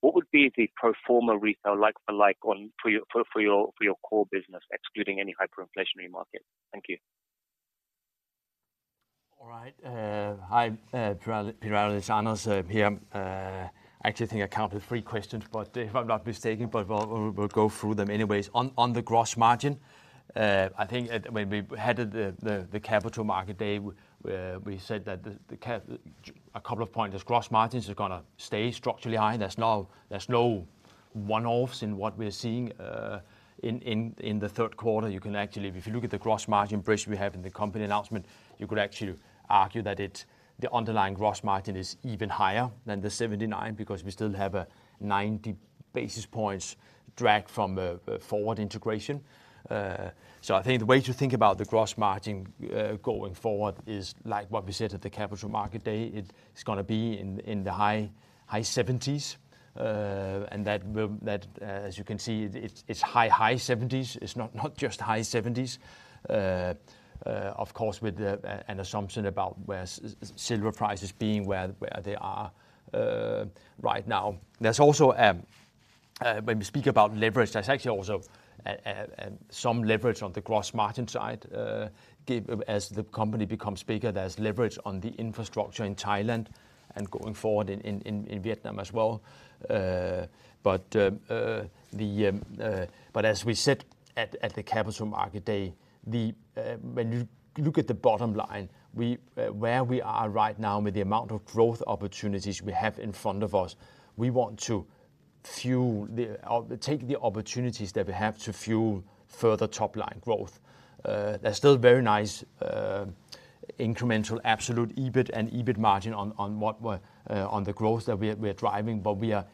Speaker 9: what would be the pro forma retail like-for-like for your core business, excluding any hyperinflationary market? Thank you.
Speaker 3: All right, hi, Piral, it's Anders here. Actually, I think I counted three questions, but if I'm not mistaken, we'll go through them anyways. On the gross margin, I think when we had the Capital Markets Day, we said that a couple of points as gross margins are gonna stay structurally high. There's no one-offs in what we're seeing in the third quarter. You can actually. If you look at the gross margin bridge we have in the company announcement, you could actually argue that the underlying gross margin is even higher than the 79, because we still have a 90 basis points drag from forward integration. So I think the way to think about the gross margin, going forward is like what we said at the Capital Markets Day, it's gonna be in the high 70s%. And that will, as you can see, it's high 70s%. It's not just high 70s%. Of course, with an assumption about where silver prices are right now. There's also, when we speak about leverage, there's actually also some leverage on the gross margin side, as the company becomes bigger, there's leverage on the infrastructure in Thailand and going forward in Vietnam as well. But the... But as we said at the Capital Markets Day, when you look at the bottom line, where we are right now with the amount of growth opportunities we have in front of us, we want to take the opportunities that we have to fuel further top-line growth. There's still very nice incremental absolute EBIT and EBIT margin on what we're driving, but we are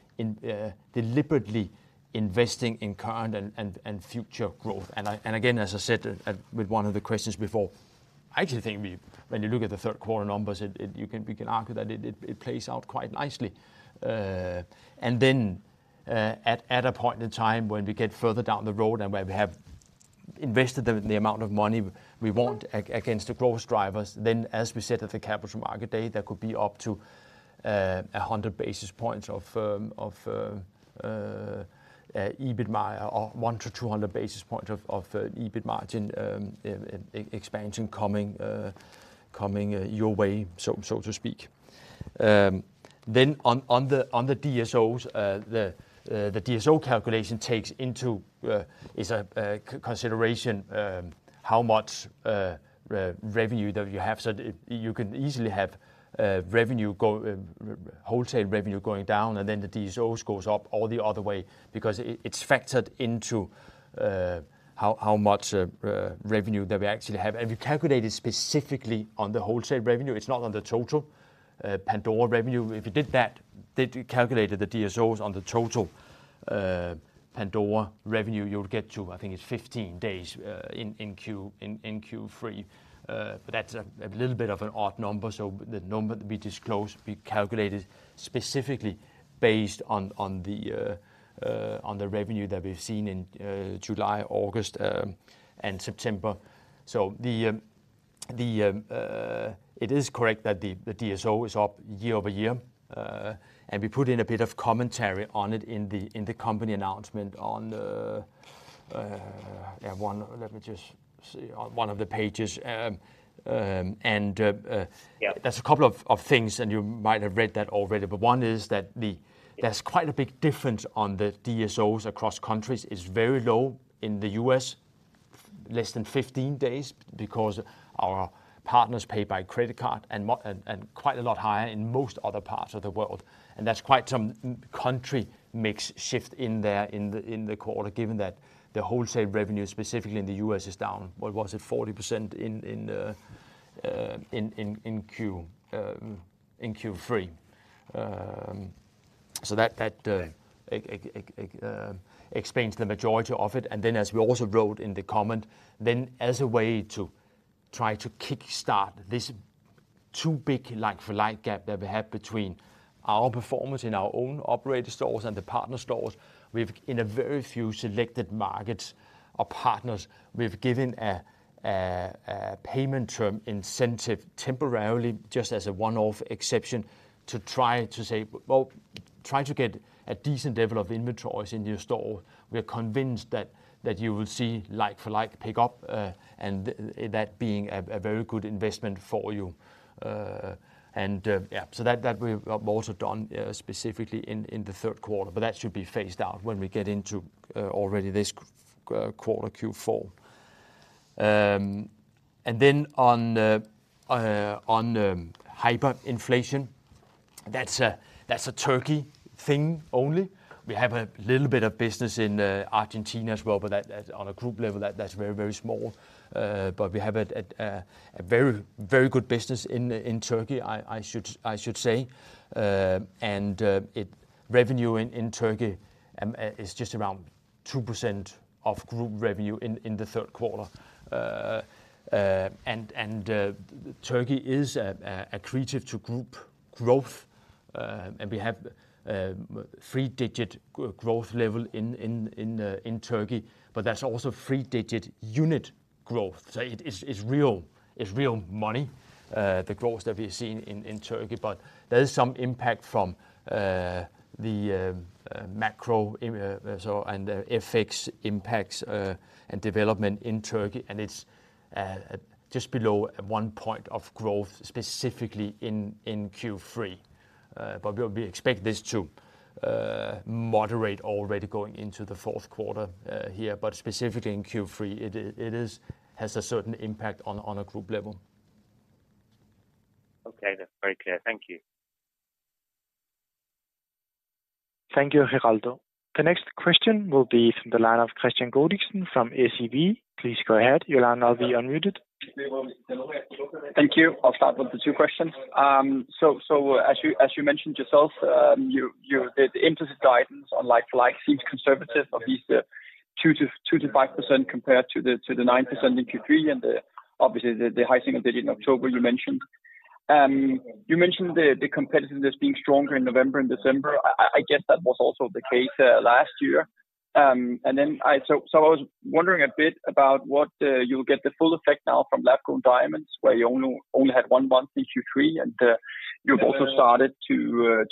Speaker 3: deliberately investing in current and future growth. And again, as I said with one of the questions before, I actually think we, when you look at the third quarter numbers, you can, we can argue that it plays out quite nicely. And then, at a point in time when we get further down the road and where we have five invested the amount of money we want against the growth drivers, then as we said at the Capital Markets Day, that could be up to 100 basis points of EBITDA or 100-200 basis points of EBIT margin expansion coming your way, so to speak. Then on the DSOs, the DSO calculation takes into consideration how much revenue that you have. So you can easily have revenue go, wholesale revenue going down, and then the DSOs goes up or the other way, because it's factored into how much revenue that we actually have. We calculated specifically on the wholesale revenue. It's not on the total, Pandora revenue. If you did that, that we calculated the DSOs on the total, Pandora revenue, you would get to, I think it's 15 days, in Q3. But that's a little bit of an odd number, so the number that we disclosed, we calculated specifically based on, on the, on the revenue that we've seen in, July, August, and September. So it is correct that the, the DSO is up year-over-year, and we put in a bit of commentary on it in the, in the company announcement on the,... Yeah, one, let me just see, on one of the pages. And-
Speaker 9: Yeah.
Speaker 3: There's a couple of things, and you might have read that already, but one is that there's quite a big difference on the DSOs across countries. It's very low in the U.S., less than 15 days, because our partners pay by credit card and quite a lot higher in most other parts of the world. And that's quite some country mix shift in there, in the quarter, given that the wholesale revenue, specifically in the U.S., is down 40% in Q3. So that explains the majority of it. And then, as we also wrote in the comment, as a way to try to kickstart this too big like-for-like gap that we have between our performance in our owned and operated stores and the partner stores, we've, in a very few selected markets or partners, we've given a payment term incentive temporarily just as a one-off exception to try to say, "Well, try to get a decent level of inventories in your store. We are convinced that you will see like-for-like pick up, and that being a very good investment for you." And so that we've also done specifically in the third quarter, but that should be phased out when we get into already this quarter Q4. And then on the hyperinflation, that's a Turkey thing only. We have a little bit of business in Argentina as well, but that on a group level, that's very, very small. But we have a very, very good business in Turkey, I should say. And its revenue in Turkey is just around 2% of group revenue in the third quarter. And Turkey is accretive to group growth, and we have three-digit growth level in Turkey, but that's also three-digit unit growth. So it is, it's real, it's real money, the growth that we've seen in Turkey, but there is some impact from the macro and the effects, impacts, and development in Turkey, and it's just below 1 point of growth, specifically in Q3. But we expect this to moderate already going into the fourth quarter here, but specifically in Q3, it has a certain impact on a group level.
Speaker 9: Okay. That's very clear. Thank you.
Speaker 4: Thank you, Piral. The next question will be from the line of Kristian Godiksen from SEB. Please go ahead. Your line is now unmuted.
Speaker 10: Thank you. I'll start with the two questions. So, as you mentioned yourself, the organic guidance on like-for-like seems conservative, at least 2%-5% compared to the 9% in Q3 and obviously the high single digit in October you mentioned. You mentioned the competitiveness being stronger in November and December. I guess that was also the case last year. And then so I was wondering a bit about what you'll get the full effect now from lab-grown diamonds, where you only had one month in Q3, and you've also started to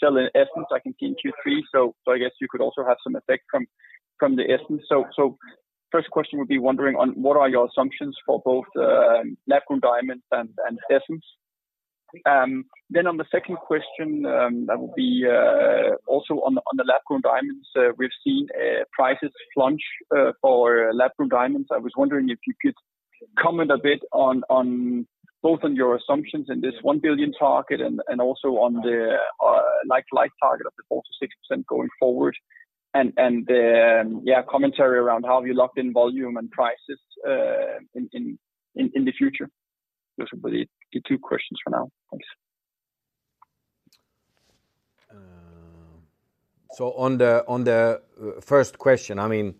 Speaker 10: sell in Essence, I can see in Q3. So I guess you could also have some effect from the Essence. So first question would be wondering on what are your assumptions for both Lab-Grown Diamonds and Essence? Then on the second question, that would be also on the Lab-Grown Diamonds. We've seen prices plunge for Lab-Grown Diamonds. I was wondering if you could comment a bit on both your assumptions and this 1 billion target and also on the like target of the 4%-6% going forward. And yeah, commentary around how have you locked in volume and prices in the future? Those would be the two questions for now. Thanks.
Speaker 2: So on the first question, I mean,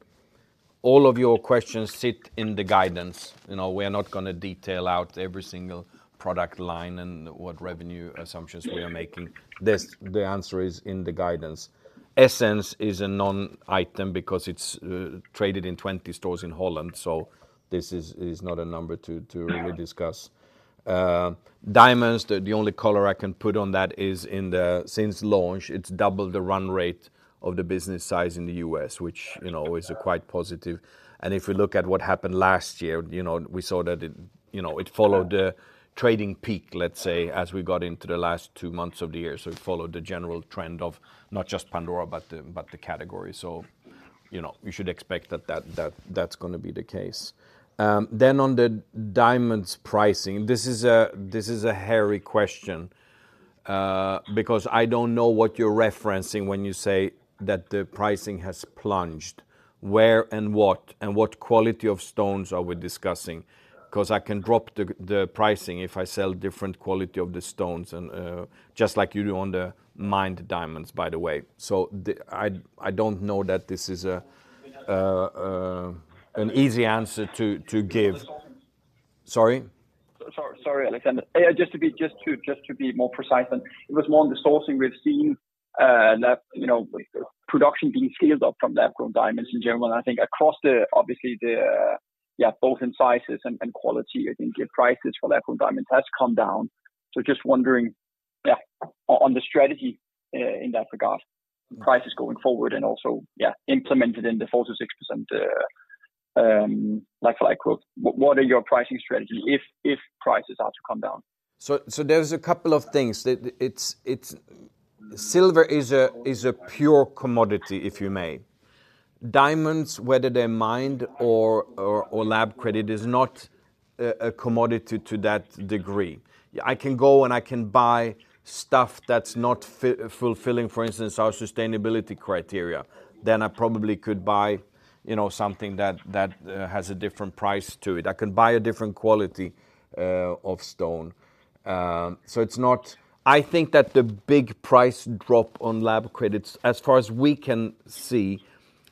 Speaker 2: all of your questions sit in the guidance. You know, we are not gonna detail out every single product line and what revenue assumptions we are making. This, the answer is in the guidance. Essence is a non-item because it's traded in 20 stores in Holland, so this is not a number to really discuss. Diamonds, the only color I can put on that is in the, since launch, it's doubled the run rate of the business size in the U.S., which, you know, is quite positive. And if we look at what happened last year, you know, we saw that it, you know, it followed the trading peak, let's say, as we got into the last two months of the year. So it followed the general trend of not just Pandora, but the category. So, you know, you should expect that that's gonna be the case. Then on the diamonds pricing, this is a hairy question, because I don't know what you're referencing when you say that the pricing has plunged. Where and what quality of stones are we discussing? 'Cause I can drop the pricing if I sell different quality of the stones and just like you do on the mined diamonds, by the way. So I don't know that this is an easy answer to give. Sorry?
Speaker 10: Sorry, sorry, Alexander. Just to be more precise, and it was more on the sourcing we've seen, that, you know, production being scaled up from lab-grown diamonds in general. I think across the obviously the both in sizes and quality, I think the prices for lab-grown diamonds has come down. So just wondering on the strategy in that regard, prices going forward and also implemented in the 4%-6% like-for-like growth. What are your pricing strategy if prices are to come down?
Speaker 2: So, there's a couple of things. Silver is a pure commodity, if you may. Diamonds, whether they're mined or lab created, is not a commodity to that degree. I can go and I can buy stuff that's not fulfilling, for instance, our sustainability criteria. Then I probably could buy, you know, something that has a different price to it. I can buy a different quality of stone. So it's not—I think that the big price drop on lab-createds, as far as we can see,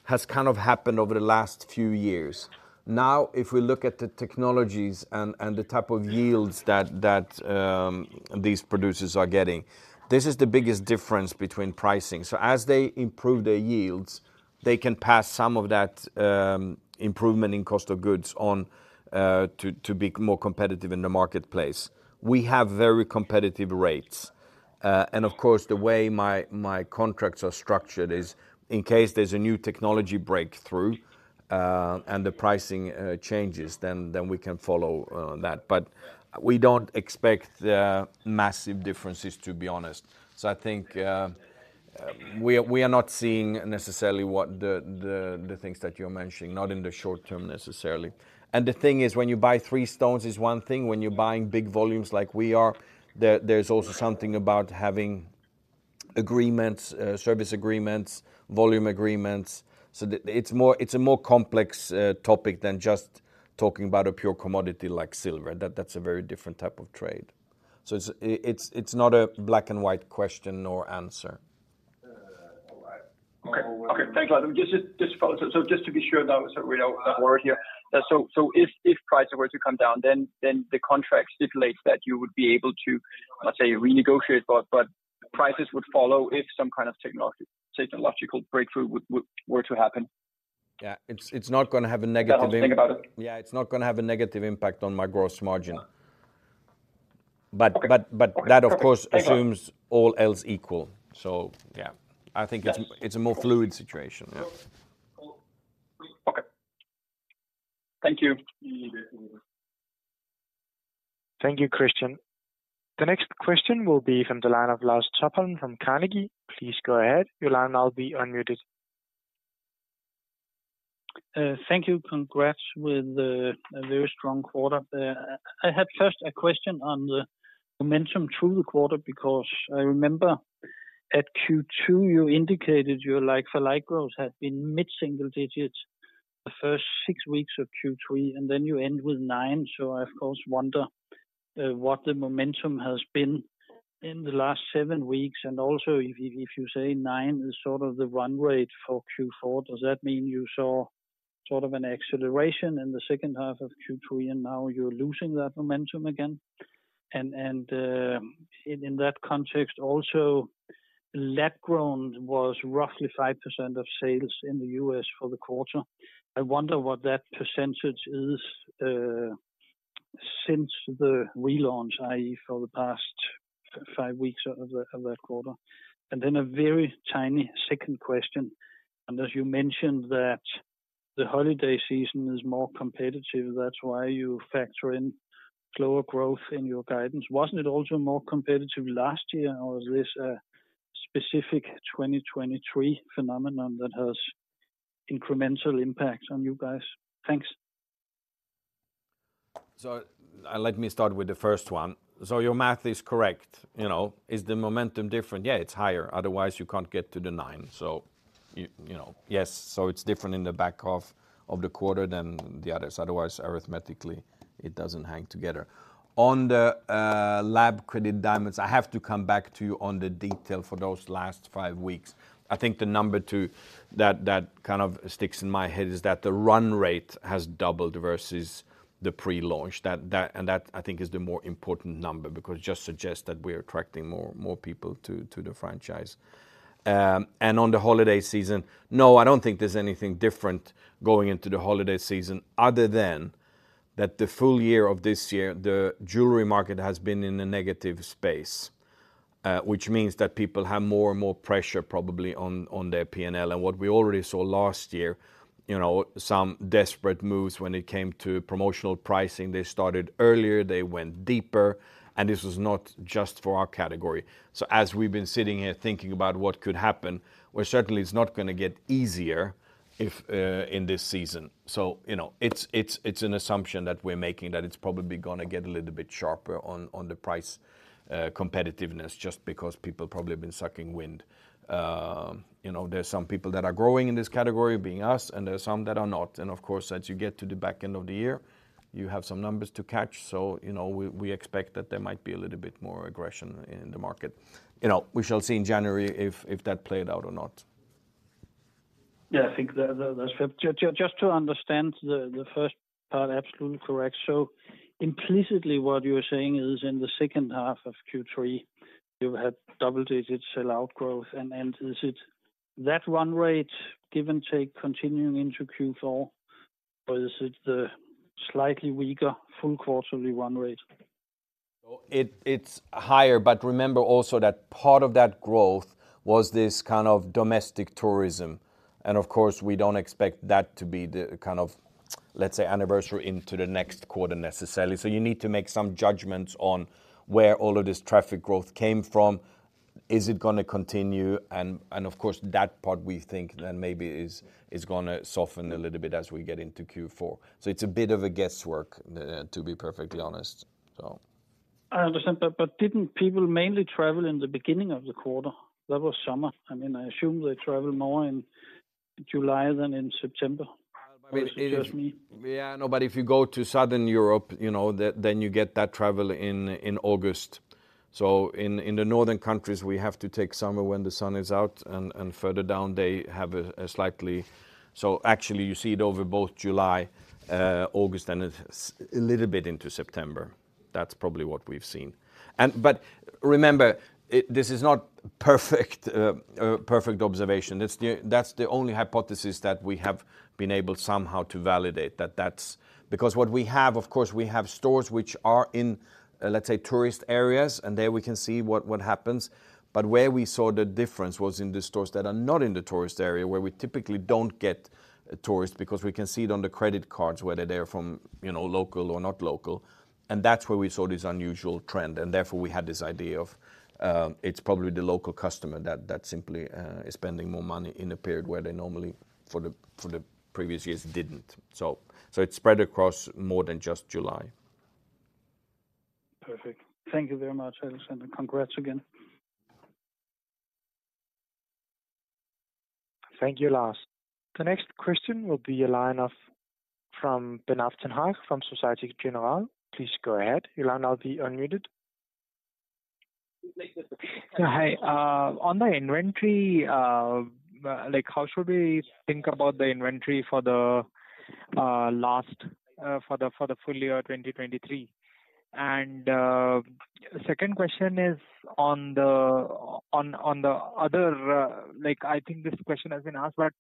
Speaker 2: has kind of happened over the last few years. Now, if we look at the technologies and the type of yields that these producers are getting, this is the biggest difference between pricing. So as they improve their yields, they can pass some of that improvement in cost of goods on to be more competitive in the marketplace. We have very competitive rates. And of course, the way my contracts are structured is, in case there's a new technology breakthrough and the pricing changes, then we can follow that. But we don't expect the massive differences, to be honest. So I think we are not seeing necessarily what the things that you're mentioning, not in the short term necessarily. And the thing is, when you buy three stones, it's one thing. When you're buying big volumes like we are, there's also something about having agreements, service agreements, volume agreements. So it's more, it's a more complex topic than just talking about a pure commodity like silver. That's a very different type of trade. So it's, it's not a black and white question nor answer.
Speaker 10: Okay, thanks a lot. Just follow. So just to be sure that we don't worry here. So if prices were to come down, then the contract stipulates that you would be able to, let's say, renegotiate, but prices would follow if some kind of technological breakthrough were to happen?
Speaker 2: Yeah, it's not gonna have a negative impact-
Speaker 10: That's how I think about it.
Speaker 2: Yeah, it's not gonna have a negative impact on my gross margin.
Speaker 10: Yeah.
Speaker 2: But, but-
Speaker 10: Okay.
Speaker 2: But that, of course, assumes all else equal. So yeah, I think it's a more fluid situation.
Speaker 10: Okay. Thank you.
Speaker 4: Thank you, Kristian. The next question will be from the line of Lars Topholm from Carnegie. Please go ahead. Your line now be unmuted.
Speaker 11: Thank you. Congrats with the a very strong quarter. I had first a question on the momentum through the quarter, because I remember at Q2, you indicated your like-for-like growth had been mid single digits the first six weeks of Q3, and then you end with nine. So I, of course, wonder what the momentum has been in the last seven weeks, and also if you say nine is sort of the run rate for Q4, does that mean you saw sort of an acceleration in the second half of Q3, and now you're losing that momentum again? And in that context, also, lab-grown was roughly 5% of sales in the U.S. for the quarter. I wonder what that percentage is since the relaunch, i.e., for the past five weeks of that quarter. Then a very tiny second question, and as you mentioned that the holiday season is more competitive, that's why you factor in slower growth in your guidance. Wasn't it also more competitive last year, or is this a specific 2023 phenomenon that has incremental impacts on you guys? Thanks.
Speaker 2: So let me start with the first one. So your math is correct, you know. Is the momentum different? Yeah, it's higher, otherwise you can't get to the nine. You know, yes, so it's different in the back half of the quarter than the others. Otherwise, arithmetically, it doesn't hang together. On the lab-grown diamonds, I have to come back to you on the detail for those last five weeks. I think the number two that kind of sticks in my head is that the run rate has doubled versus the pre-launch. That and that, I think, is the more important number, because it just suggests that we are attracting more people to the franchise. And on the holiday season, no, I don't think there's anything different going into the holiday season other than that the full year of this year, the jewelry market has been in a negative space, which means that people have more and more pressure probably on, on their PNL. And what we already saw last year, you know, some desperate moves when it came to promotional pricing. They started earlier, they went deeper, and this was not just for our category. So as we've been sitting here thinking about what could happen, well, certainly it's not gonna get easier if in this season. So, you know, it's, it's, it's an assumption that we're making, that it's probably gonna get a little bit sharper on, on the price competitiveness, just because people probably have been sucking wind. You know, there are some people that are growing in this category, being us, and there are some that are not. Of course, as you get to the back end of the year, you have some numbers to catch. You know, we expect that there might be a little bit more aggression in the market. You know, we shall see in January if that played out or not.
Speaker 11: Yeah, I think that's fair. Just to understand the first part, absolutely correct. So implicitly, what you're saying is in the second half of Q3, you had double-digit sell-out growth, and is it that run rate, give and take, continuing into Q4, or is it the slightly weaker full quarterly run rate?
Speaker 2: So it's higher, but remember also that part of that growth was this kind of domestic tourism. Of course, we don't expect that to be the kind of, let's say, anniversary into the next quarter necessarily. So you need to make some judgments on where all of this traffic growth came from. Is it gonna continue? And of course, that part we think then maybe is gonna soften a little bit as we get into Q4. So it's a bit of a guesswork to be perfectly honest. So.
Speaker 11: I understand. But, didn't people mainly travel in the beginning of the quarter? That was summer. I mean, I assume they travel more in July than in September.
Speaker 2: Well, it is-
Speaker 11: Just me.
Speaker 2: Yeah, no, but if you go to Southern Europe, you know, then you get that travel in August. So in the northern countries, we have to take summer when the sun is out, and further down, they have a slightly... So actually, you see it over both July, August, and a little bit into September. That's probably what we've seen. But remember, it, this is not a perfect observation. That's the only hypothesis that we have been able somehow to validate, that that's. Because what we have, of course, we have stores which are in, let's say, tourist areas, and there we can see what happens. But where we saw the difference was in the stores that are not in the tourist area, where we typically don't get tourists, because we can see it on the credit cards, whether they're from, you know, local or not local, and that's where we saw this unusual trend. And therefore, we had this idea of, it's probably the local customer that simply is spending more money in a period where they normally, for the previous years, didn't. So it spread across more than just July.
Speaker 11: Perfect. Thank you very much, Alexander. Congrats again.
Speaker 4: Thank you, Lars. The next question will be the line of from Abhinav Sinha from Société Générale. Please go ahead, your line now be unmuted.
Speaker 12: Hi, on the inventory, like, how should we think about the inventory for the full year, 2023? Second question is on the other, like, I think this question has been asked, but,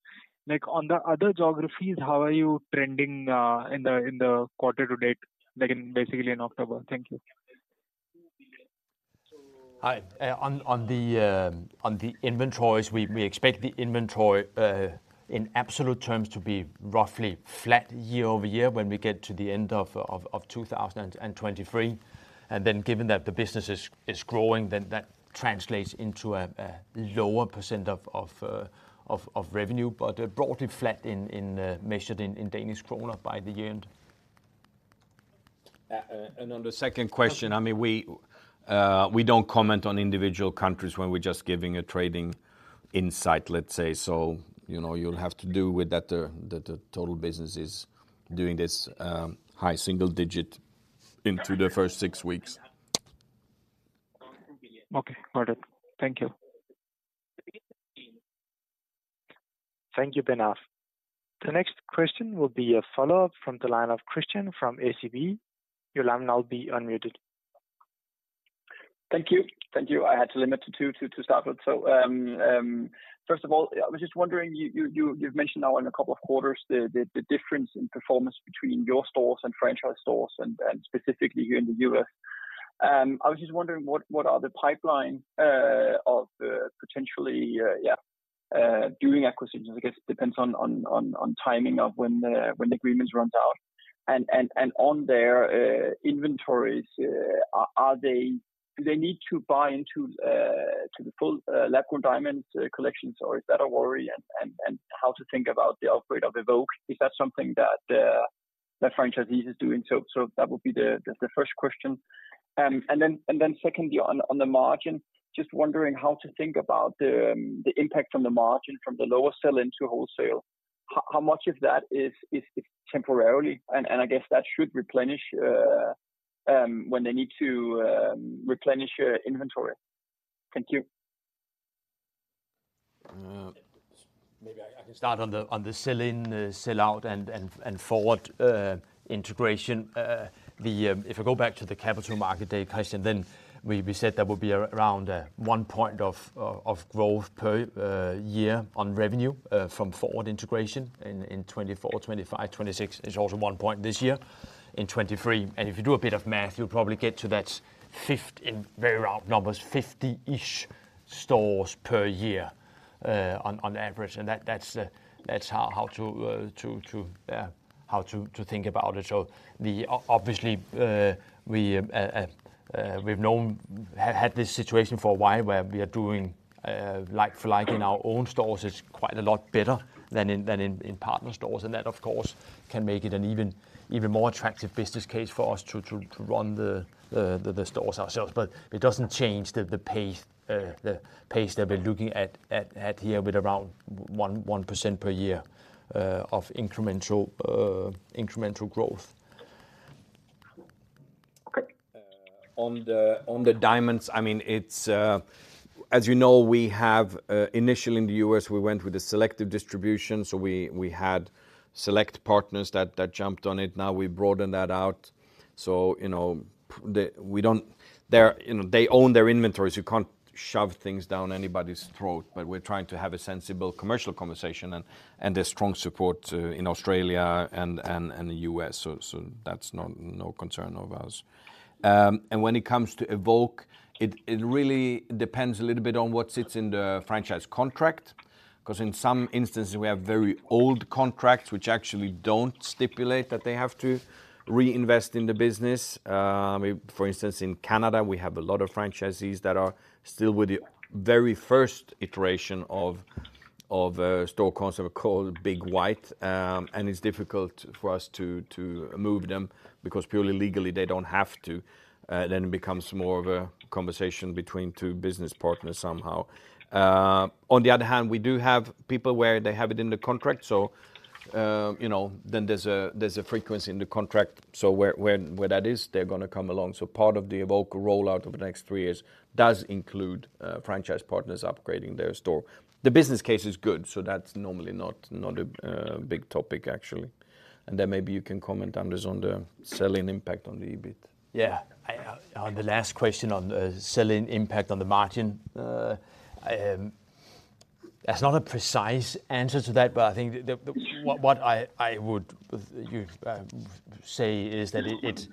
Speaker 12: like, on the other geographies, how are you trending in the quarter to date, like in, basically in October? Thank you.
Speaker 2: Hi, on the inventories, we expect the inventory in absolute terms to be roughly flat year-over-year when we get to the end of 2023. And then given that the business is growing, then that translates into a lower percent of revenue, but broadly flat in measured in Danish kroner by the year end. And on the second question, I mean, we don't comment on individual countries when we're just giving a trading insight, let's say. So, you know, you'll have to do with that, that the total business is doing this high single digit into the first six weeks.
Speaker 12: Okay, got it. Thank you.
Speaker 4: Thank you, Abhinav. The next question will be a follow-up from the line of Kristian from SEB. Your line now be unmuted.
Speaker 10: Thank you. Thank you. I had to limit to two, two to start with. So, first of all, I was just wondering, you've mentioned now in a couple of quarters the difference in performance between your stores and franchise stores and specifically here in the U.S. I was just wondering what are the pipeline of potentially doing acquisitions? I guess it depends on timing of when the agreements runs out. And on their inventories, are they—do they need to buy into to the full lab-grown diamond collections, or is that a worry? And how to think about the upgrade of Evoke, is that something that franchisees is doing. So that would be the first question. And then secondly, on the margin, just wondering how to think about the impact on the margin from the lower sell into wholesale. How much of that is temporarily? And I guess that should replenish when they need to replenish your inventory. Thank you.
Speaker 3: Maybe I can start on the Sell-In, Sell-Out, and Forward Integration. If I go back to the Capital Markets Day, Kristian, then we said that would be around one point of growth per year on revenue from Forward Integration in 2024, 2025, 2026. It's also one point this year, in 2023. And if you do a bit of math, you'll probably get to that in very round numbers, 50-ish stores per year, on average. And that's how to think about it. So obviously, we've known we had this situation for a while, where like-for-like in our own stores is quite a lot better than in partner stores. And that, of course, can make it an even more attractive business case for us to run the stores ourselves. But it doesn't change the pace that we're looking at here, with around 1% per year of incremental growth.
Speaker 10: Okay.
Speaker 2: On the diamonds, I mean, it's. As you know, we have initially in the U.S., we went with a selective distribution, so we had select partners that jumped on it. Now, we broadened that out. So, you know, we don't. They're, you know, they own their inventories. You can't shove things down anybody's throat, but we're trying to have a sensible commercial conversation and a strong support in Australia and the U.S. So, that's not no concern of ours. And when it comes to Evoke, it really depends a little bit on what sits in the franchise contract, 'cause in some instances, we have very old contracts, which actually don't stipulate that they have to reinvest in the business. For instance, in Canada, we have a lot of franchisees that are still with the very first iteration of store concept called Big White. And it's difficult for us to move them because purely legally, they don't have to. Then it becomes more of a conversation between two business partners somehow. On the other hand, we do have people where they have it in the contract, so you know, then there's a frequency in the contract. So where that is, they're gonna come along. So part of the Evoke rollout over the next three years does include franchise partners upgrading their store. The business case is good, so that's normally not a big topic, actually. And then maybe you can comment on this, on the selling impact on the EBIT.
Speaker 3: Yeah. On the last question on the selling impact on the margin, there's not a precise answer to that, but I think what I would say is that it's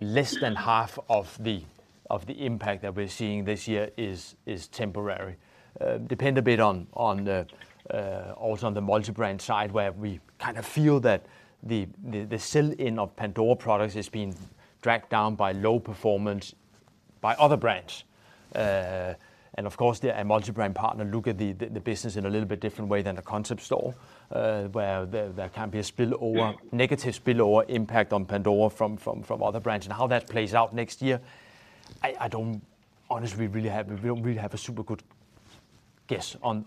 Speaker 3: less than half of the impact that we're seeing this year is temporary. It depends a bit on also on the multi-brand side, where we kind of feel that the sell-in of Pandora products is being dragged down by low performance by other brands. And of course, a multi-brand partner look at the business in a little bit different way than a concept store, where there can be a spillover, negative spillover impact on Pandora from other brands. And how that plays out next year, I don't honestly really have, we don't really have a super good guess on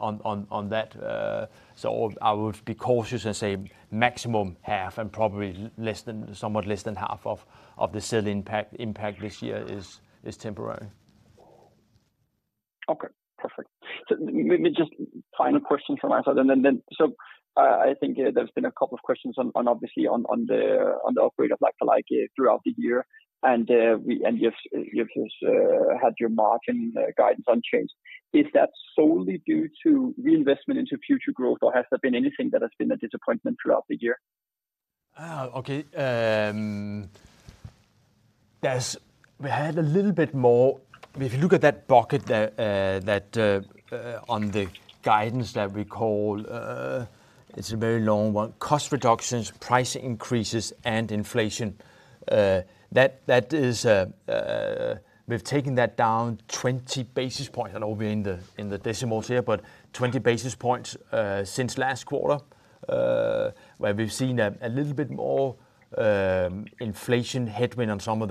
Speaker 3: that. So I would be cautious and say maximum half, and probably less than, somewhat less than half of the sell impact this year is temporary.
Speaker 10: Okay, perfect. So maybe just final question from my side, and then, then... So, I think there's been a couple of questions on, obviously, on the like-for-like throughout the year. And, we, and you've had your margin guidance unchanged. Is that solely due to reinvestment into future growth, or has there been anything that has been a disappointment throughout the year?
Speaker 3: Okay, we had a little bit more. If you look at that bucket there, on the guidance that we call, it's a very long one, cost reductions, price increases, and inflation. That is, we've taken that down 20 basis points. I know we're in the decimals here, but 20 basis points since last quarter, where we've seen a little bit more inflation headwind on some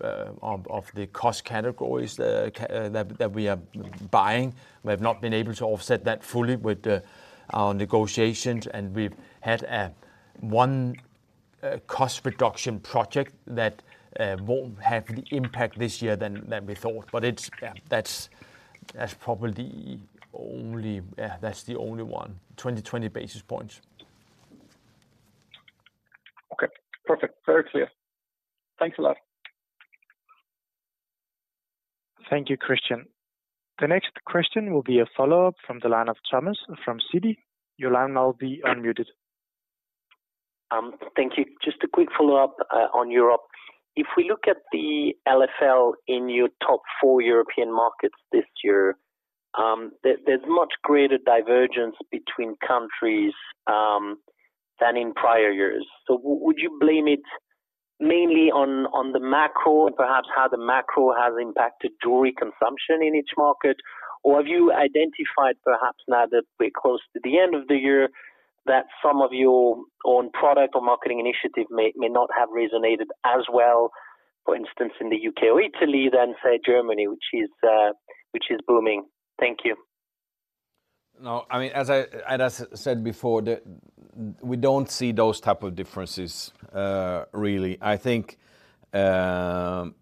Speaker 3: of the cost categories that we are buying. We have not been able to offset that fully with our negotiations, and we've had one cost reduction project that won't have the impact this year than we thought. But that's probably only, that's the only one, 20, 20 basis points.
Speaker 10: Okay, perfect. Very clear. Thanks a lot.
Speaker 4: Thank you, Kristian. The next question will be a follow-up from the line of Thomas, from Citi. Your line now be unmuted.
Speaker 5: Thank you. Just a quick follow-up on Europe. If we look at the LFL in your top four European markets this year, there, there's much greater divergence between countries than in prior years. So would you blame it mainly on the macro and perhaps how the macro has impacted jewelry consumption in each market? Or have you identified perhaps now that we're close to the end of the year, that some of your own product or marketing initiative may not have resonated as well, for instance, in the U.K. or Italy than, say, Germany, which is booming? Thank you.
Speaker 2: No, I mean, as I said before, we don't see those type of differences, really. I think you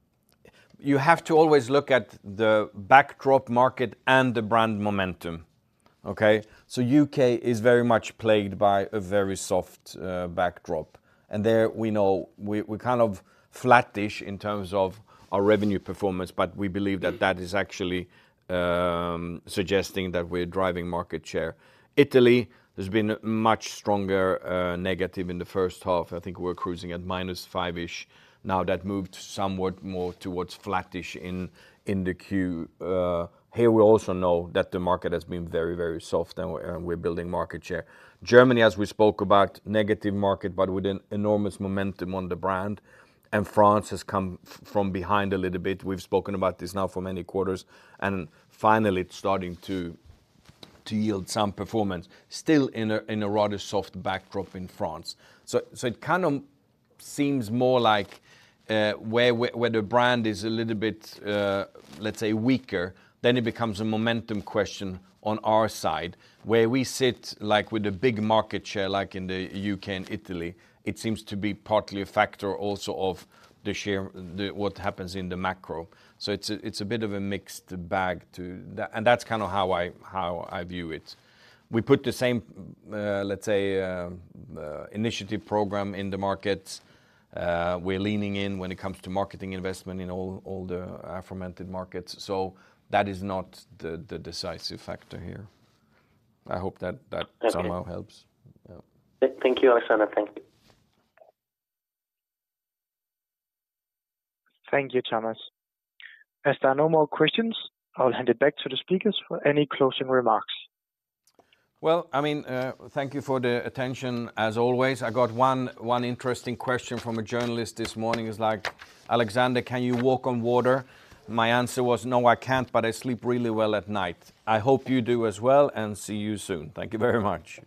Speaker 2: have to always look at the backdrop market and the brand momentum, okay? So U.K. is very much plagued by a very soft backdrop, and there we know we're kind of flattish in terms of our revenue performance, but we believe that that is actually suggesting that we're driving market share. Italy has been much stronger negative in the first half. I think we're cruising at minus five-ish now, that moved somewhat more towards flattish in the Q. Here we also know that the market has been very, very soft, and we're building market share. Germany, as we spoke about, negative market, but with an enormous momentum on the brand, and France has come from behind a little bit. We've spoken about this now for many quarters, and finally, it's starting to yield some performance. Still in a rather soft backdrop in France. So it kind of seems more like where the brand is a little bit, let's say, weaker, then it becomes a momentum question on our side, where we sit like with a big market share, like in the U.K. and Italy, it seems to be partly a factor also of the share, what happens in the macro. So it's a bit of a mixed bag to... And that's kind of how I view it. We put the same, let's say, initiative program in the markets. We're leaning in when it comes to marketing investment in all, all the aforementioned markets. So that is not the decisive factor here. I hope that, that-
Speaker 5: Okay.
Speaker 2: Somehow helps. Yeah.
Speaker 5: Thank you, Alexander. Thank you.
Speaker 4: Thank you, Thomas. As there are no more questions, I'll hand it back to the speakers for any closing remarks.
Speaker 2: Well, I mean, thank you for the attention as always. I got one interesting question from a journalist this morning. He's like: "Alexander, can you walk on water?" My answer was, "No, I can't, but I sleep really well at night." I hope you do as well, and see you soon. Thank you very much.